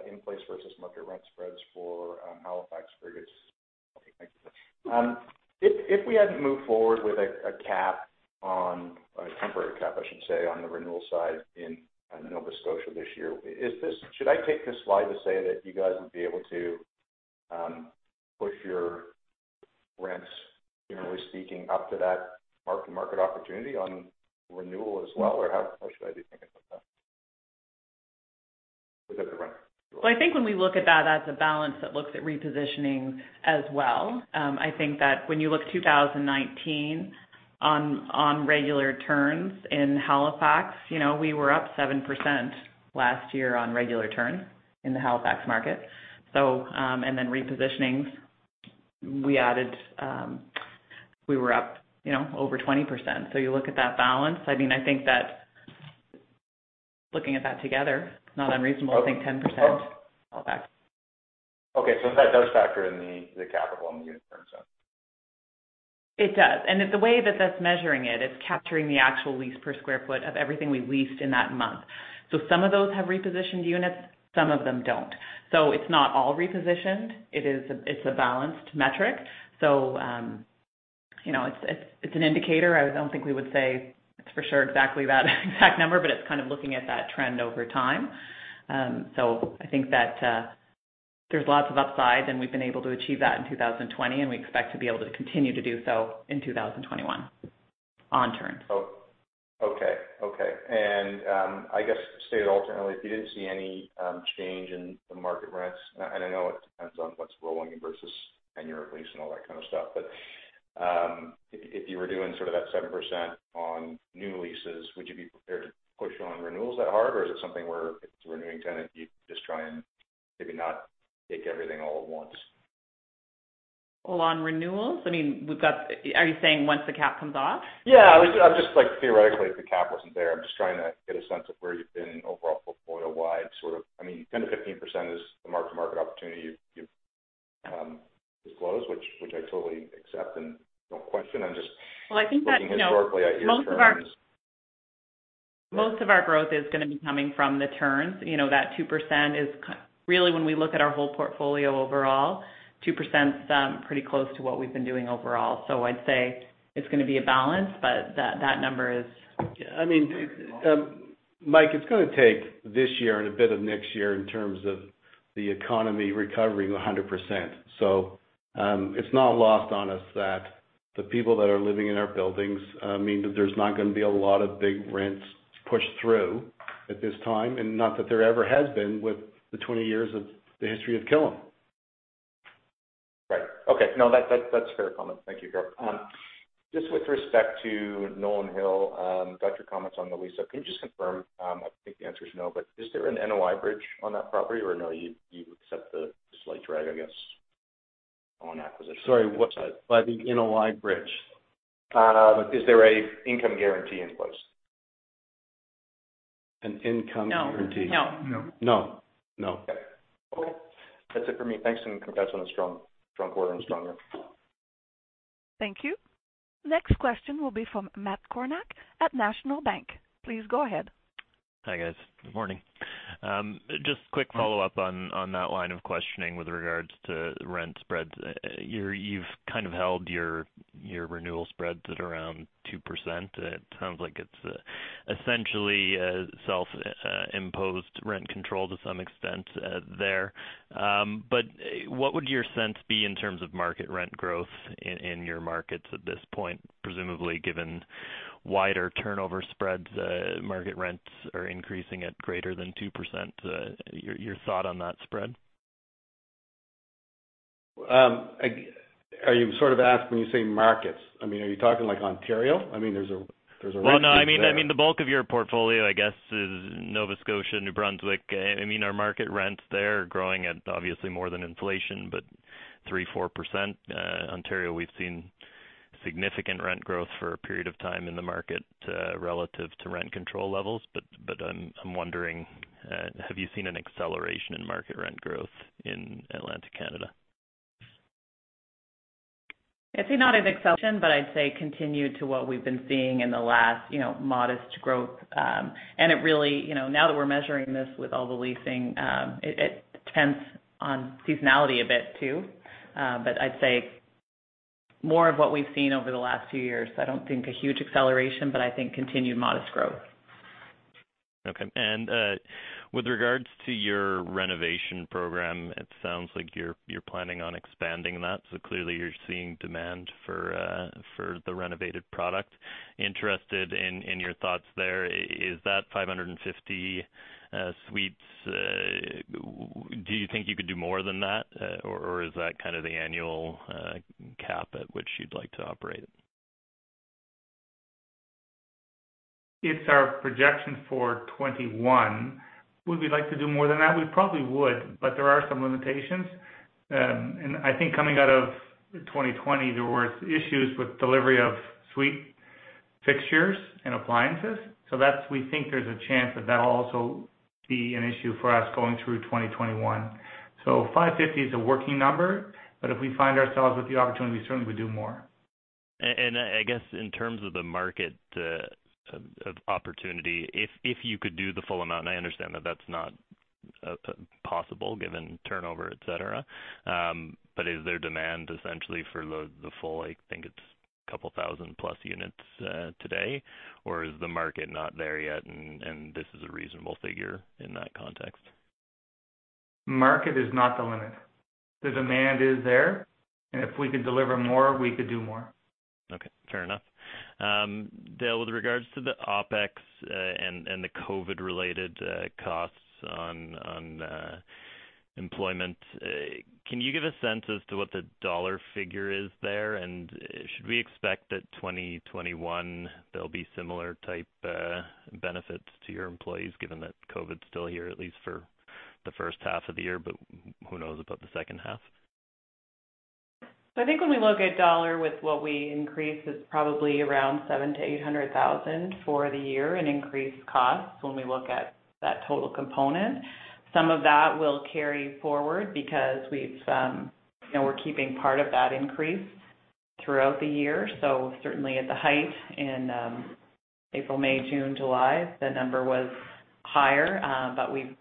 I: in-place versus market rent spreads for Halifax previous. Okay, thank you. If we hadn't moved forward with a temporary cap, I should say, on the renewal side in Nova Scotia this year, should I take this slide to say that you guys would be able to push your rents, generally speaking, up to that mark-to-market opportunity on renewal as well? Or how should I be thinking about that?
D: Well, I think when we look at that as a balance that looks at repositioning as well, I think that when you look 2019 on regular turns in Halifax, we were up 7% last year on regular turns in the Halifax market. Repositionings, we were up over 20%. You look at that balance, I think that looking at that together, it's not unreasonable to think 10% Halifax.
I: Okay. That does factor in the capital in the unit turns then?
D: It does. The way that that's measuring it's capturing the actual lease per square foot of everything we leased in that month. Some of those have repositioned units, some of them don't. It's not all repositioned. It's a balanced metric. It's an indicator. I don't think we would say it's for sure exactly that exact number, but it's kind of looking at that trend over time. I think that there's lots of upside, and we've been able to achieve that in 2020, and we expect to be able to continue to do so in 2021 on turns.
I: Okay. I guess stated alternately, if you didn't see any change in the market rents, and I know it depends on what's rolling versus annual lease and all that kind of stuff, but, if you were doing sort of that 7% on new leases, would you be prepared to push on renewals that hard? Or is it something where if it's a renewing tenant, you just try and maybe not take everything all at once?
D: Well, on renewals, are you saying once the cap comes off?
I: Yeah. Just theoretically, if the cap wasn't there, I'm just trying to get a sense of where you've been overall portfolio-wide sort of 10%-15% is the mark-to-market opportunity you've disclosed, which I totally accept and don't question.
D: Well, I think that-
I: Looking historically at your terms.
D: Most of our growth is going to be coming from the turns. That 2%, really when we look at our whole portfolio overall, 2%'s pretty close to what we've been doing overall. I'd say it's going to be a balance, but that number is.
B: Mike, it's going to take this year and a bit of next year in terms of the economy recovering 100%. It's not lost on us that the people that are living in our buildings mean that there's not going to be a lot of big rents pushed through at this time, and not that there ever has been with the 20 years of the history of Killam.
I: Right. Okay. No, that's a fair comment. Thank you, Philip. Just with respect to Nolan Hill, got your comments on the lease-up. Can you just confirm, I think the answer is no, but is there an NOI bridge on that property, or no, you accept the slight drag, I guess, on acquisition?
B: Sorry, what's that? By the NOI bridge.
I: Is there an income guarantee in place?
B: An income guarantee?
D: No.
B: No.
I: Okay. Cool. That's it for me. Thanks, and congrats on a strong quarter and strong year.
A: Thank you. Next question will be from Matt Kornack at National Bank. Please go ahead.
J: Hi, guys. Good morning. Just quick follow-up on that line of questioning with regards to rent spreads. You've kind of held your renewal spreads at around 2%. It sounds like it's essentially a self-imposed rent control to some extent there. What would your sense be in terms of market rent growth in your markets at this point, presumably given wider turnover spreads, market rents are increasing at greater than 2%? Your thought on that spread.
B: Are you sort of asking, when you say markets, are you talking like Ontario? There's a rent freeze there.
J: Well, no. The bulk of your portfolio, I guess is Nova Scotia, New Brunswick. Our market rents there are growing at obviously more than inflation, but 3%, 4%. Ontario, we've seen significant rent growth for a period of time in the market, relative to rent control levels. I'm wondering, have you seen an acceleration in market rent growth in Atlantic Canada?
D: I'd say not an acceleration, but I'd say continued to what we've been seeing in the last modest growth. It really, now that we're measuring this with all the leasing, it depends on seasonality a bit too. I'd say more of what we've seen over the last few years. I don't think a huge acceleration, but I think continued modest growth.
J: Okay. With regards to your renovation program, it sounds like you're planning on expanding that, clearly you're seeing demand for the renovated product. Interested in your thoughts there. Is that 550 suites? Do you think you could do more than that? Is that kind of the annual cap at which you'd like to operate?
E: It's our projection for 2021. Would we like to do more than that? We probably would, but there are some limitations. I think coming out of 2020, there were issues with delivery of suite fixtures and appliances. We think there's a chance that that'll also be an issue for us going through 2021. 550 is a working number, but if we find ourselves with the opportunity, certainly we'd do more.
J: I guess in terms of the market of opportunity, if you could do the full amount, and I understand that that's not possible given turnover, et cetera, but is there demand essentially for the full, I think it's a couple thousand plus units, today? Or is the market not there yet, and this is a reasonable figure in that context?
E: Market is not the limit. The demand is there. If we could deliver more, we could do more.
J: Okay. Fair enough. Dale, with regards to the OpEx, and the COVID related costs on employment, can you give a sense as to what the dollar figure is there? Should we expect that 2021 there'll be similar type benefits to your employees given that COVID's still here at least for the first half of the year, but who knows about the second half?
D: I think when we look at dollar with what we increased, it's probably around 700,000-800,000 for the year in increased costs when we look at that total component. Some of that will carry forward because we're keeping part of that increase throughout the year. Certainly at the height in April, May, June, July, the number was higher.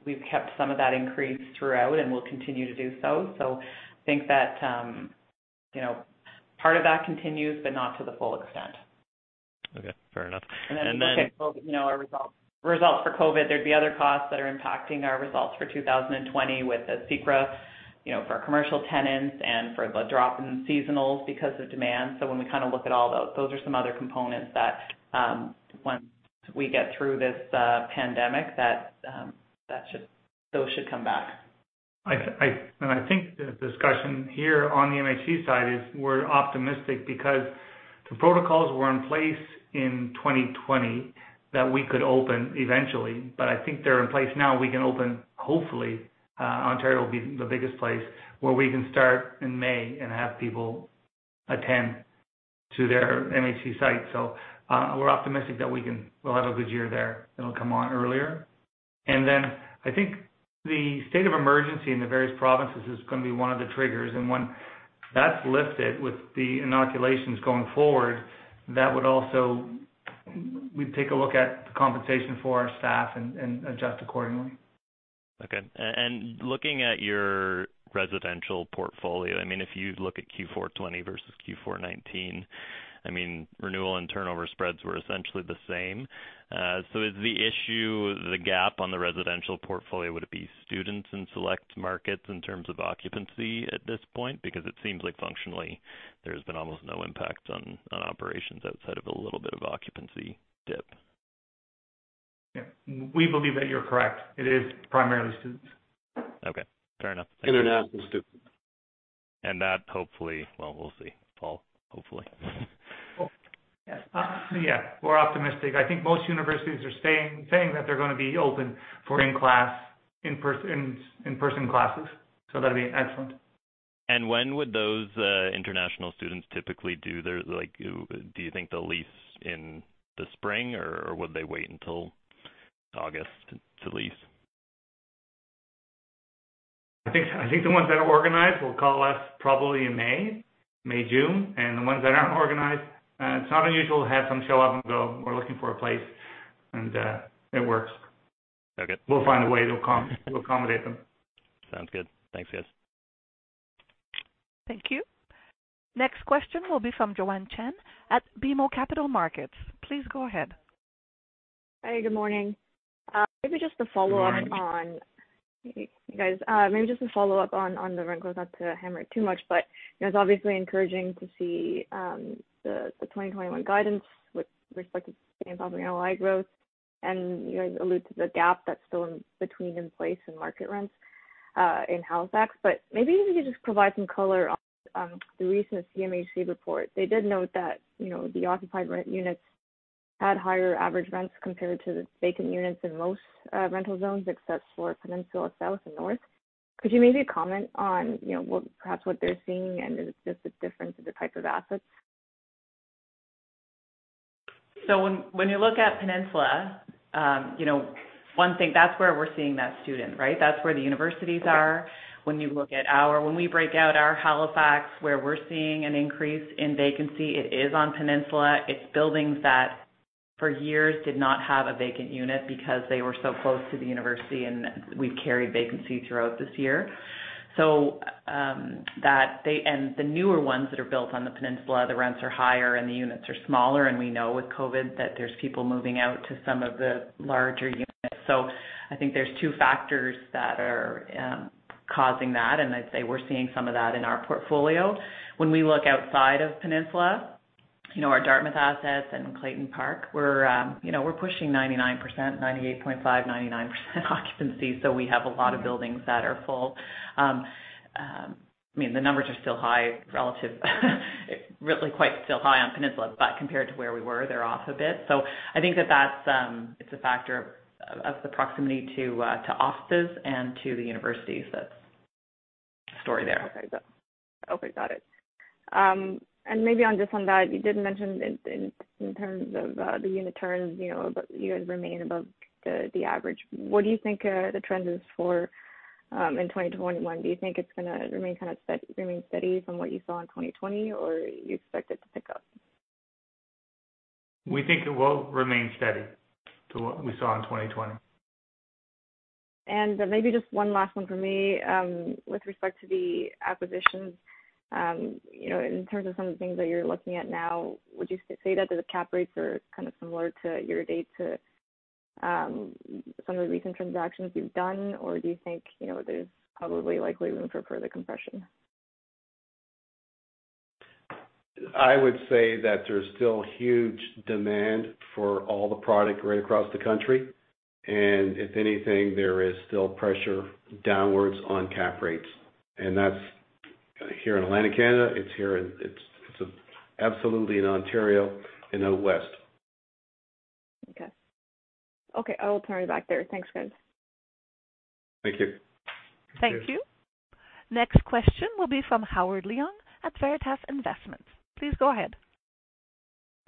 D: We've kept some of that increase throughout, and we'll continue to do so. I think that part of that continues, but not to the full extent.
J: Okay. Fair enough.
D: Looking at our results for COVID, there'd be other costs that are impacting our results for 2020 with the CECRA for our commercial tenants and for the drop in seasonals because of demand. When we look at all those are some other components that once we get through this pandemic, those should come back.
E: I think the discussion here on the MHC side is we're optimistic because the protocols were in place in 2020 that we could open eventually. I think they're in place now, we can open, hopefully Ontario will be the biggest place where we can start in May and have people attend to their MHC site. We're optimistic that we'll have a good year there. It'll come on earlier. Then I think the state of emergency in the various provinces is going to be one of the triggers. When that's lifted with the inoculations going forward, that would also, we'd take a look at the compensation for our staff and adjust accordingly.
J: Okay. Looking at your residential portfolio, if you look at Q4 2020 versus Q4 2019, renewal and turnover spreads were essentially the same. Is the issue, the gap on the residential portfolio, would it be students in select markets in terms of occupancy at this point? It seems like functionally, there's been almost no impact on operations outside of a little bit of occupancy dip.
E: Yeah. We believe that you're correct. It is primarily students.
J: Okay. Fair enough. Thank you.
B: International students.
J: That hopefully, well, we'll see, Philip, hopefully.
E: Yeah. We're optimistic. I think most universities are saying that they're going to be open for in-person classes. That'd be excellent.
J: When would those international students typically do you think they'll lease in the spring, or would they wait until August to lease?
E: I think the ones that are organized will call us probably in May, June. The ones that aren't organized, it's not unusual to have some show up and go, "We're looking for a place" and it works.
J: Okay.
E: We'll find a way to accommodate them.
J: Sounds good. Thanks, guys.
A: Thank you. Next question will be from Joanne Chen at BMO Capital Markets. Please go ahead.
K: Hi, good morning. Maybe just a follow-up on the rent growth, not to hammer it too much, but it is obviously encouraging to see the 2021 guidance with respect to same property NOI growth. You guys allude to the gap that is still between in-place and market rents in Halifax. Maybe if you could just provide some color on the recent CMHC report. They did note that the occupied rent units had higher average rents compared to the vacant units in most rental zones, except for Peninsula South and North. Could you maybe comment on perhaps what they are seeing, and is this a difference in the type of assets?
D: When you look at Peninsula, that's where we're seeing that student. That's where the universities are. When we break out our Halifax, where we're seeing an increase in vacancy, it is on Peninsula. It's buildings that for years did not have a vacant unit because they were so close to the university, and we've carried vacancy throughout this year. The newer ones that are built on the Peninsula, the rents are higher and the units are smaller, and we know with COVID that there's people moving out to some of the larger units. I think there's two factors that are causing that, and I'd say we're seeing some of that in our portfolio. When we look outside of Peninsula, our Dartmouth assets and Clayton Park, we're pushing 99%, 98.5%, 99% occupancy. We have a lot of buildings that are full. The numbers are still high relative really quite still high on Peninsula, but compared to where we were, they're off a bit. I think that it's a factor of the proximity to offices and to the universities that's the story there.
K: Okay. Got it. Maybe just on that, you did mention in terms of the unit turns, about you guys remain above the average. What do you think the trend is for in 2021? Do you think it is going to remain kind of steady from what you saw in 2020, or you expect it to pick up?
E: We think it will remain steady to what we saw in 2020.
K: Maybe just one last one from me. With respect to the acquisitions, in terms of some of the things that you're looking at now, would you say that the cap rates are kind of similar to year-to-date to some of the recent transactions you've done, or do you think there's probably likely room for further compression?
B: I would say that there's still huge demand for all the product right across the country, and if anything, there is still pressure downwards on cap rates. That's here in Atlantic Canada. It's absolutely in Ontario and out West.
K: Okay. I will turn it back there. Thanks, guys.
B: Thank you.
A: Thank you. Next question will be from Howard Leung at Veritas Investment Research. Please go ahead.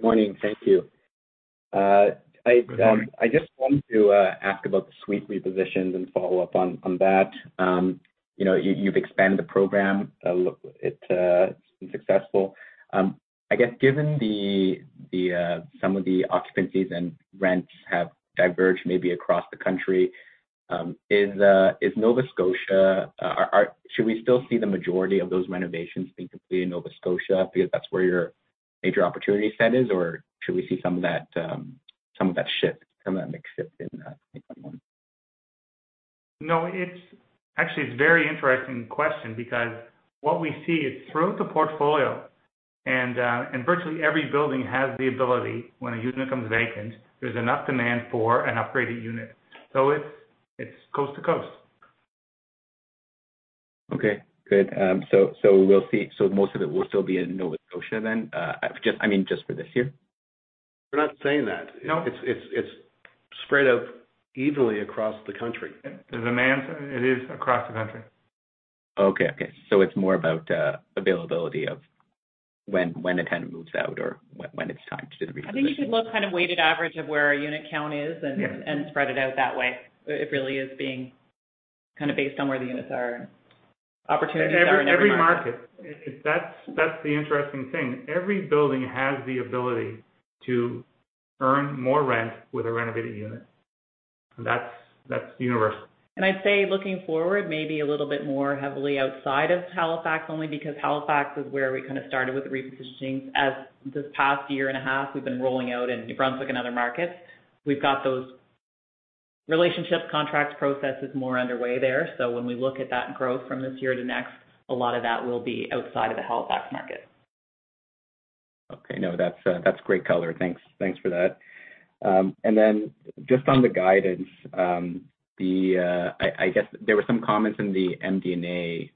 L: Morning. Thank you. I just wanted to ask about the suite repositions and follow up on that. You've expanded the program. It's been successful. I guess given some of the occupancies and rents have diverged maybe across the country. Should we still see the majority of those renovations being completed in Nova Scotia because that's where your major opportunity set is, or should we see some of that shift, some of that mix shift in 2021?
E: No. Actually, it's a very interesting question because what we see is throughout the portfolio, and virtually every building has the ability when a unit becomes vacant, there's enough demand for an upgraded unit. It's coast to coast.
L: Okay, good. Most of it will still be in Nova Scotia then, just for this year?
B: We're not saying that.
E: No.
B: It's spread out evenly across the country.
E: The demand, it is across the country.
L: Okay. It's more about availability of when a tenant moves out or when it's time to do the reposition.
D: I think you could look kind of weighted average of where our unit count is and spread it out that way. It really is being kind of based on where the units are and opportunities are in every market.
E: Every market. That's the interesting thing. Every building has the ability to earn more rent with a renovated unit. That's universal.
D: I'd say looking forward, maybe a little bit more heavily outside of Halifax, only because Halifax is where we kind of started with the repositionings. As this past year and a half, we've been rolling out in New Brunswick and other markets. We've got those relationships, contracts, processes more underway there. When we look at that growth from this year to next, a lot of that will be outside of the Halifax market.
L: Okay. No, that's great color. Thanks for that. Just on the guidance, I guess there were some comments in the MD&A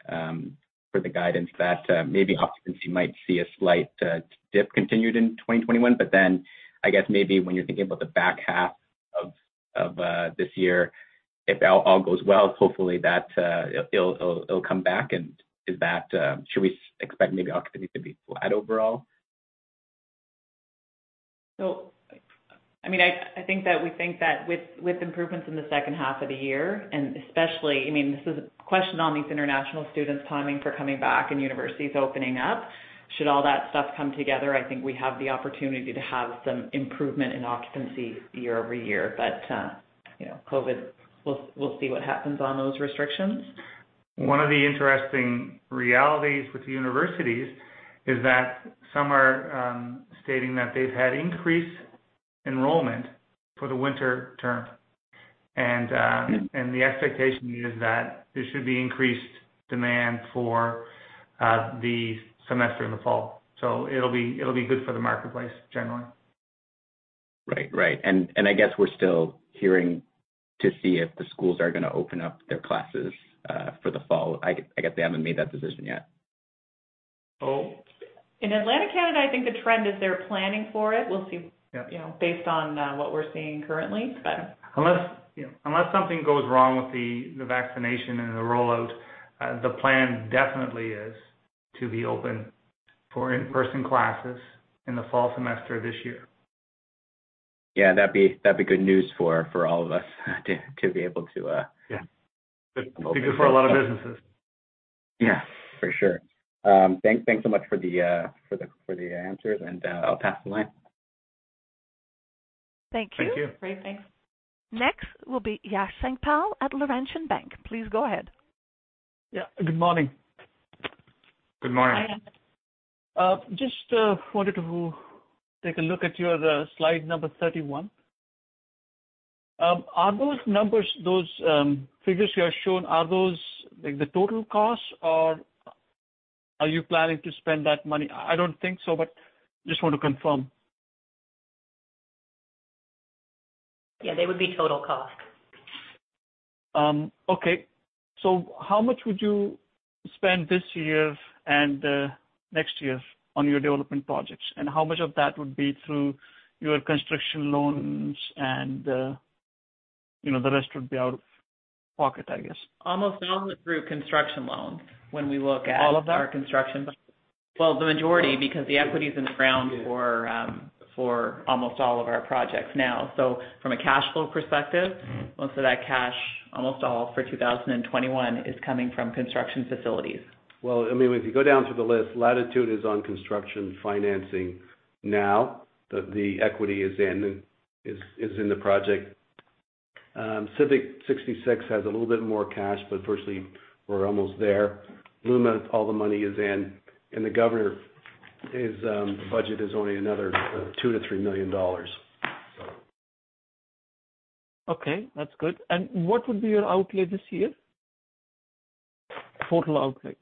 L: for the guidance that maybe occupancy might see a slight dip continued in 2021, but then I guess maybe when you're thinking about the back half of this year, if all goes well, hopefully it'll come back. Should we expect maybe occupancy to be flat overall?
D: I think that we think that with improvements in the second half of the year, and especially, this is a question on these international students' timing for coming back and universities opening up. Should all that stuff come together, I think we have the opportunity to have some improvement in occupancy year-over-year. COVID, we'll see what happens on those restrictions.
E: One of the interesting realities with the universities is that some are stating that they've had increased enrollment for the winter term. The expectation is that there should be increased demand for the semester in the fall. It'll be good for the marketplace, generally.
L: Right. I guess we're still hearing to see if the schools are going to open up their classes for the fall. I guess they haven't made that decision yet.
E: Oh.
D: In Atlantic Canada, I think the trend is they're planning for it. We'll see based on what we're seeing currently.
E: Unless something goes wrong with the vaccination and the rollout, the plan definitely is to be open for in-person classes in the fall semester this year.
L: Yeah, that'd be good news for all of us.
E: Yeah. Be good for a lot of businesses.
L: Yeah, for sure. Thanks so much for the answers. I'll pass the line.
A: Thank you.
E: Thank you.
D: Great, thanks.
A: Next will be Yash Sankpal at Laurentian Bank. Please go ahead.
M: Yeah, good morning.
B: Good morning.
M: Just wanted to take a look at your slide number 31. Are those numbers, those figures you have shown, are those the total costs, or are you planning to spend that money? I don't think so, but just want to confirm.
C: Yeah, they would be total cost.
M: Okay. How much would you spend this year and next year on your development projects? How much of that would be through your construction loans and the rest would be out of pocket, I guess?
D: Almost all of it through construction loans.
M: All of that?
D: Our construction. Well, the majority, because the equity's in the ground for almost all of our projects now. From a cash flow perspective, most of that cash, almost all for 2021, is coming from construction facilities.
B: Well, if you go down through the list, Latitude is on construction financing now. The equity is in the project. Civic 66 has a little bit more cash, but virtually we're almost there. Luma, all the money is in, and The Governor, his budget is only another 2 million-3 million dollars.
M: Okay, that's good. What would be your outlay this year? Total outlay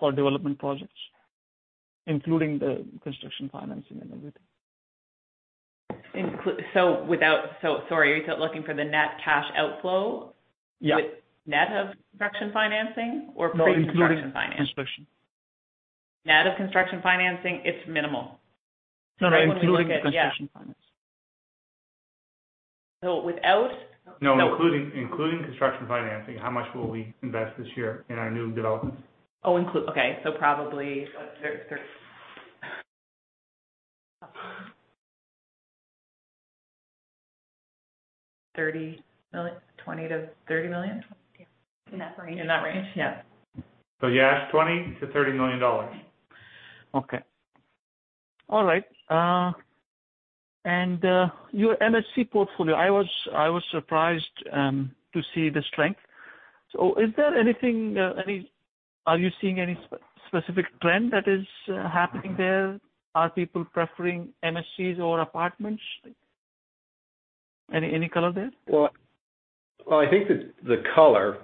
M: for development projects, including the construction financing and everything.
D: Sorry, are you looking for the net cash outflow?
M: Yeah.
D: Net of construction financing or for construction financing?
M: No, including construction.
D: Net of construction financing, it's minimal.
M: No, no, including the construction financing.
D: Without?
B: No, including construction financing, how much will we invest this year in our new developments?
D: Oh, include. Okay. Probably 30 million, 20 million-30 million.
C: In that range.
D: In that range, yeah.
B: Yes, 20 million-30 million dollars.
M: Okay. All right. Your MHC portfolio, I was surprised to see the strength. Are you seeing any specific trend that is happening there? Are people preferring MHCs or apartments? Any color there?
B: Well, I think that the color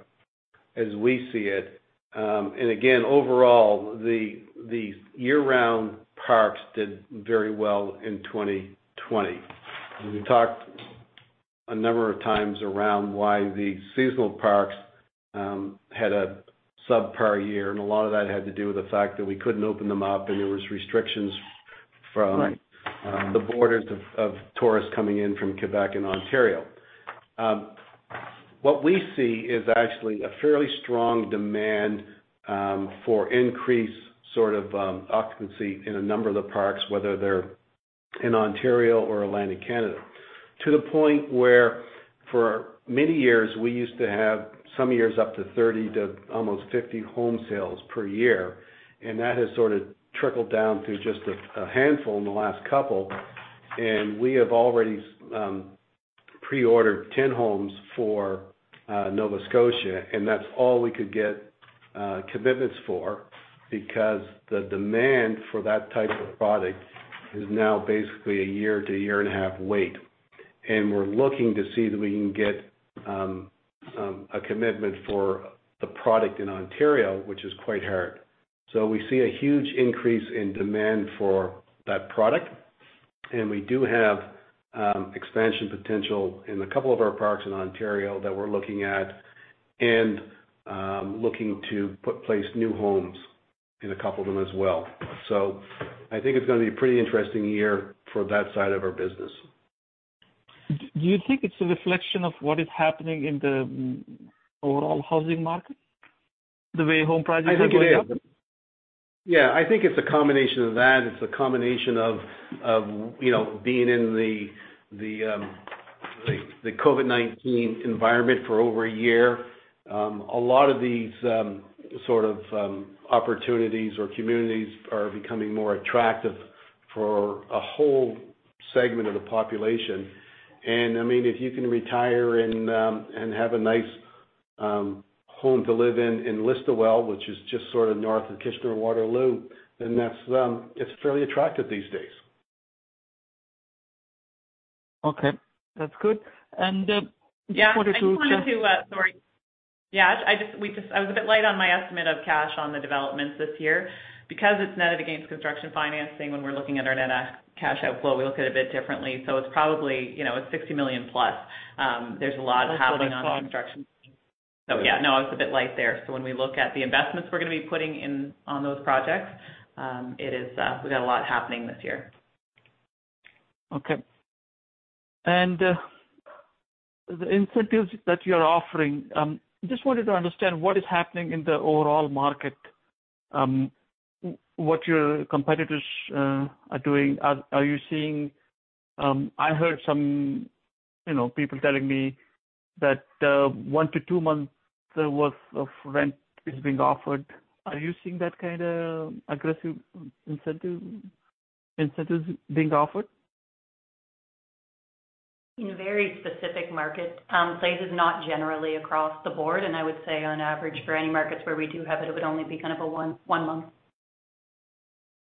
B: as we see it, and again, overall, the year-round parks did very well in 2020. We talked a number of times around why the seasonal parks had a subpar year, and a lot of that had to do with the fact that we couldn't open them up, and there was restrictions from the borders of tourists coming in from Quebec and Ontario. What we see is actually a fairly strong demand for increased occupancy in a number of the parks, whether they're in Ontario or Atlantic Canada. To the point where, for many years, we used to have some years up to 30 to almost 50 home sales per year, and that has sort of trickled down to just a handful in the last couple. And we have already pre-ordered 10 homes for Nova Scotia, and that's all we could get commitments for because the demand for that type of product is now basically a year to year and a half wait. And we're looking to see that we can get a commitment for the product in Ontario, which is quite hard. We see a huge increase in demand for that product, and we do have expansion potential in a couple of our parks in Ontario that we're looking at, and looking to put place new homes in a couple of them as well. I think it's going to be a pretty interesting year for that side of our business.
M: Do you think it's a reflection of what is happening in the overall housing market, the way home prices are going up?
B: I think it is. Yeah, I think it's a combination of that. It's a combination of being in the COVID-19 environment for over a year. A lot of these sort of opportunities or communities are becoming more attractive for a whole segment of the population. If you can retire and have a nice home to live in Listowel, which is just sort of north of Kitchener-Waterloo, then it's fairly attractive these days.
M: Okay. That's good.
D: Yash, I was a bit light on my estimate of cash on the developments this year. Because it's netted against construction financing, when we're looking at our net cash outflow, we look at it a bit differently. It's probably, it's 60 million+. There's a lot happening on the construction. Yeah. No, I was a bit light there. When we look at the investments we're going to be putting in on those projects, we've got a lot happening this year.
M: Okay. The incentives that you're offering, just wanted to understand what is happening in the overall market, what your competitors are doing. I heard some people telling me that one to two months worth of rent is being offered. Are you seeing that kind of aggressive incentives being offered?
C: In very specific markets. Place is not generally across the board. I would say on average for any markets where we do have it would only be kind of a one month.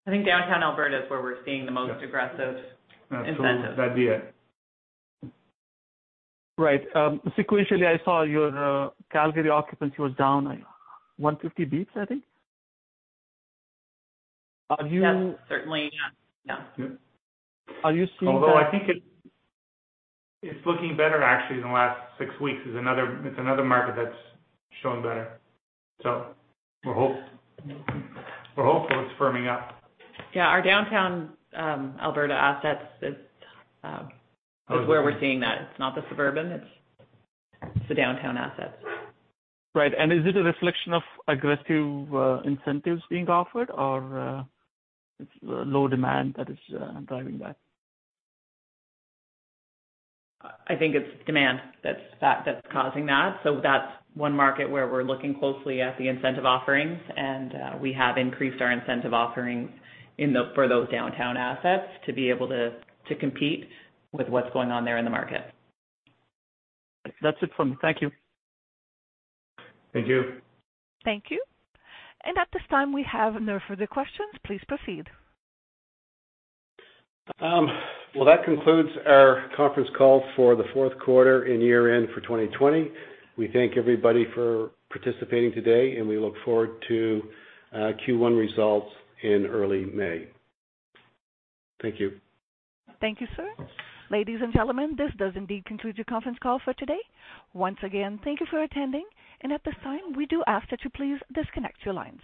D: I think downtown Alberta is where we're seeing the most aggressive incentives.
B: That's where that'd be at.
M: Right. Sequentially, I saw your Calgary occupancy was down 150 basis points, I think.
D: Yes, certainly. Yeah.
M: Are you seeing the?
E: Although I think it's looking better actually in the last six weeks. It's another market that's shown better. We're hopeful it's firming up.
D: Yeah, our downtown Alberta assets is where we're seeing that. It's not the suburban, it's the downtown assets.
M: Right. Is it a reflection of aggressive incentives being offered, or it's low demand that is driving that?
D: I think it's demand that's causing that. That's one market where we're looking closely at the incentive offerings, and we have increased our incentive offerings for those downtown assets to be able to compete with what's going on there in the market.
M: That's it from me. Thank you.
B: Thank you.
A: Thank you. At this time, we have no further questions. Please proceed.
B: Well, that concludes our conference call for the fourth quarter and year-end for 2020. We thank everybody for participating today. We look forward to Q1 results in early May. Thank you.
A: Thank you, sir. Ladies and gentlemen, this does indeed conclude your conference call for today. Once again, thank you for attending, and at this time, we do ask that you please disconnect your lines.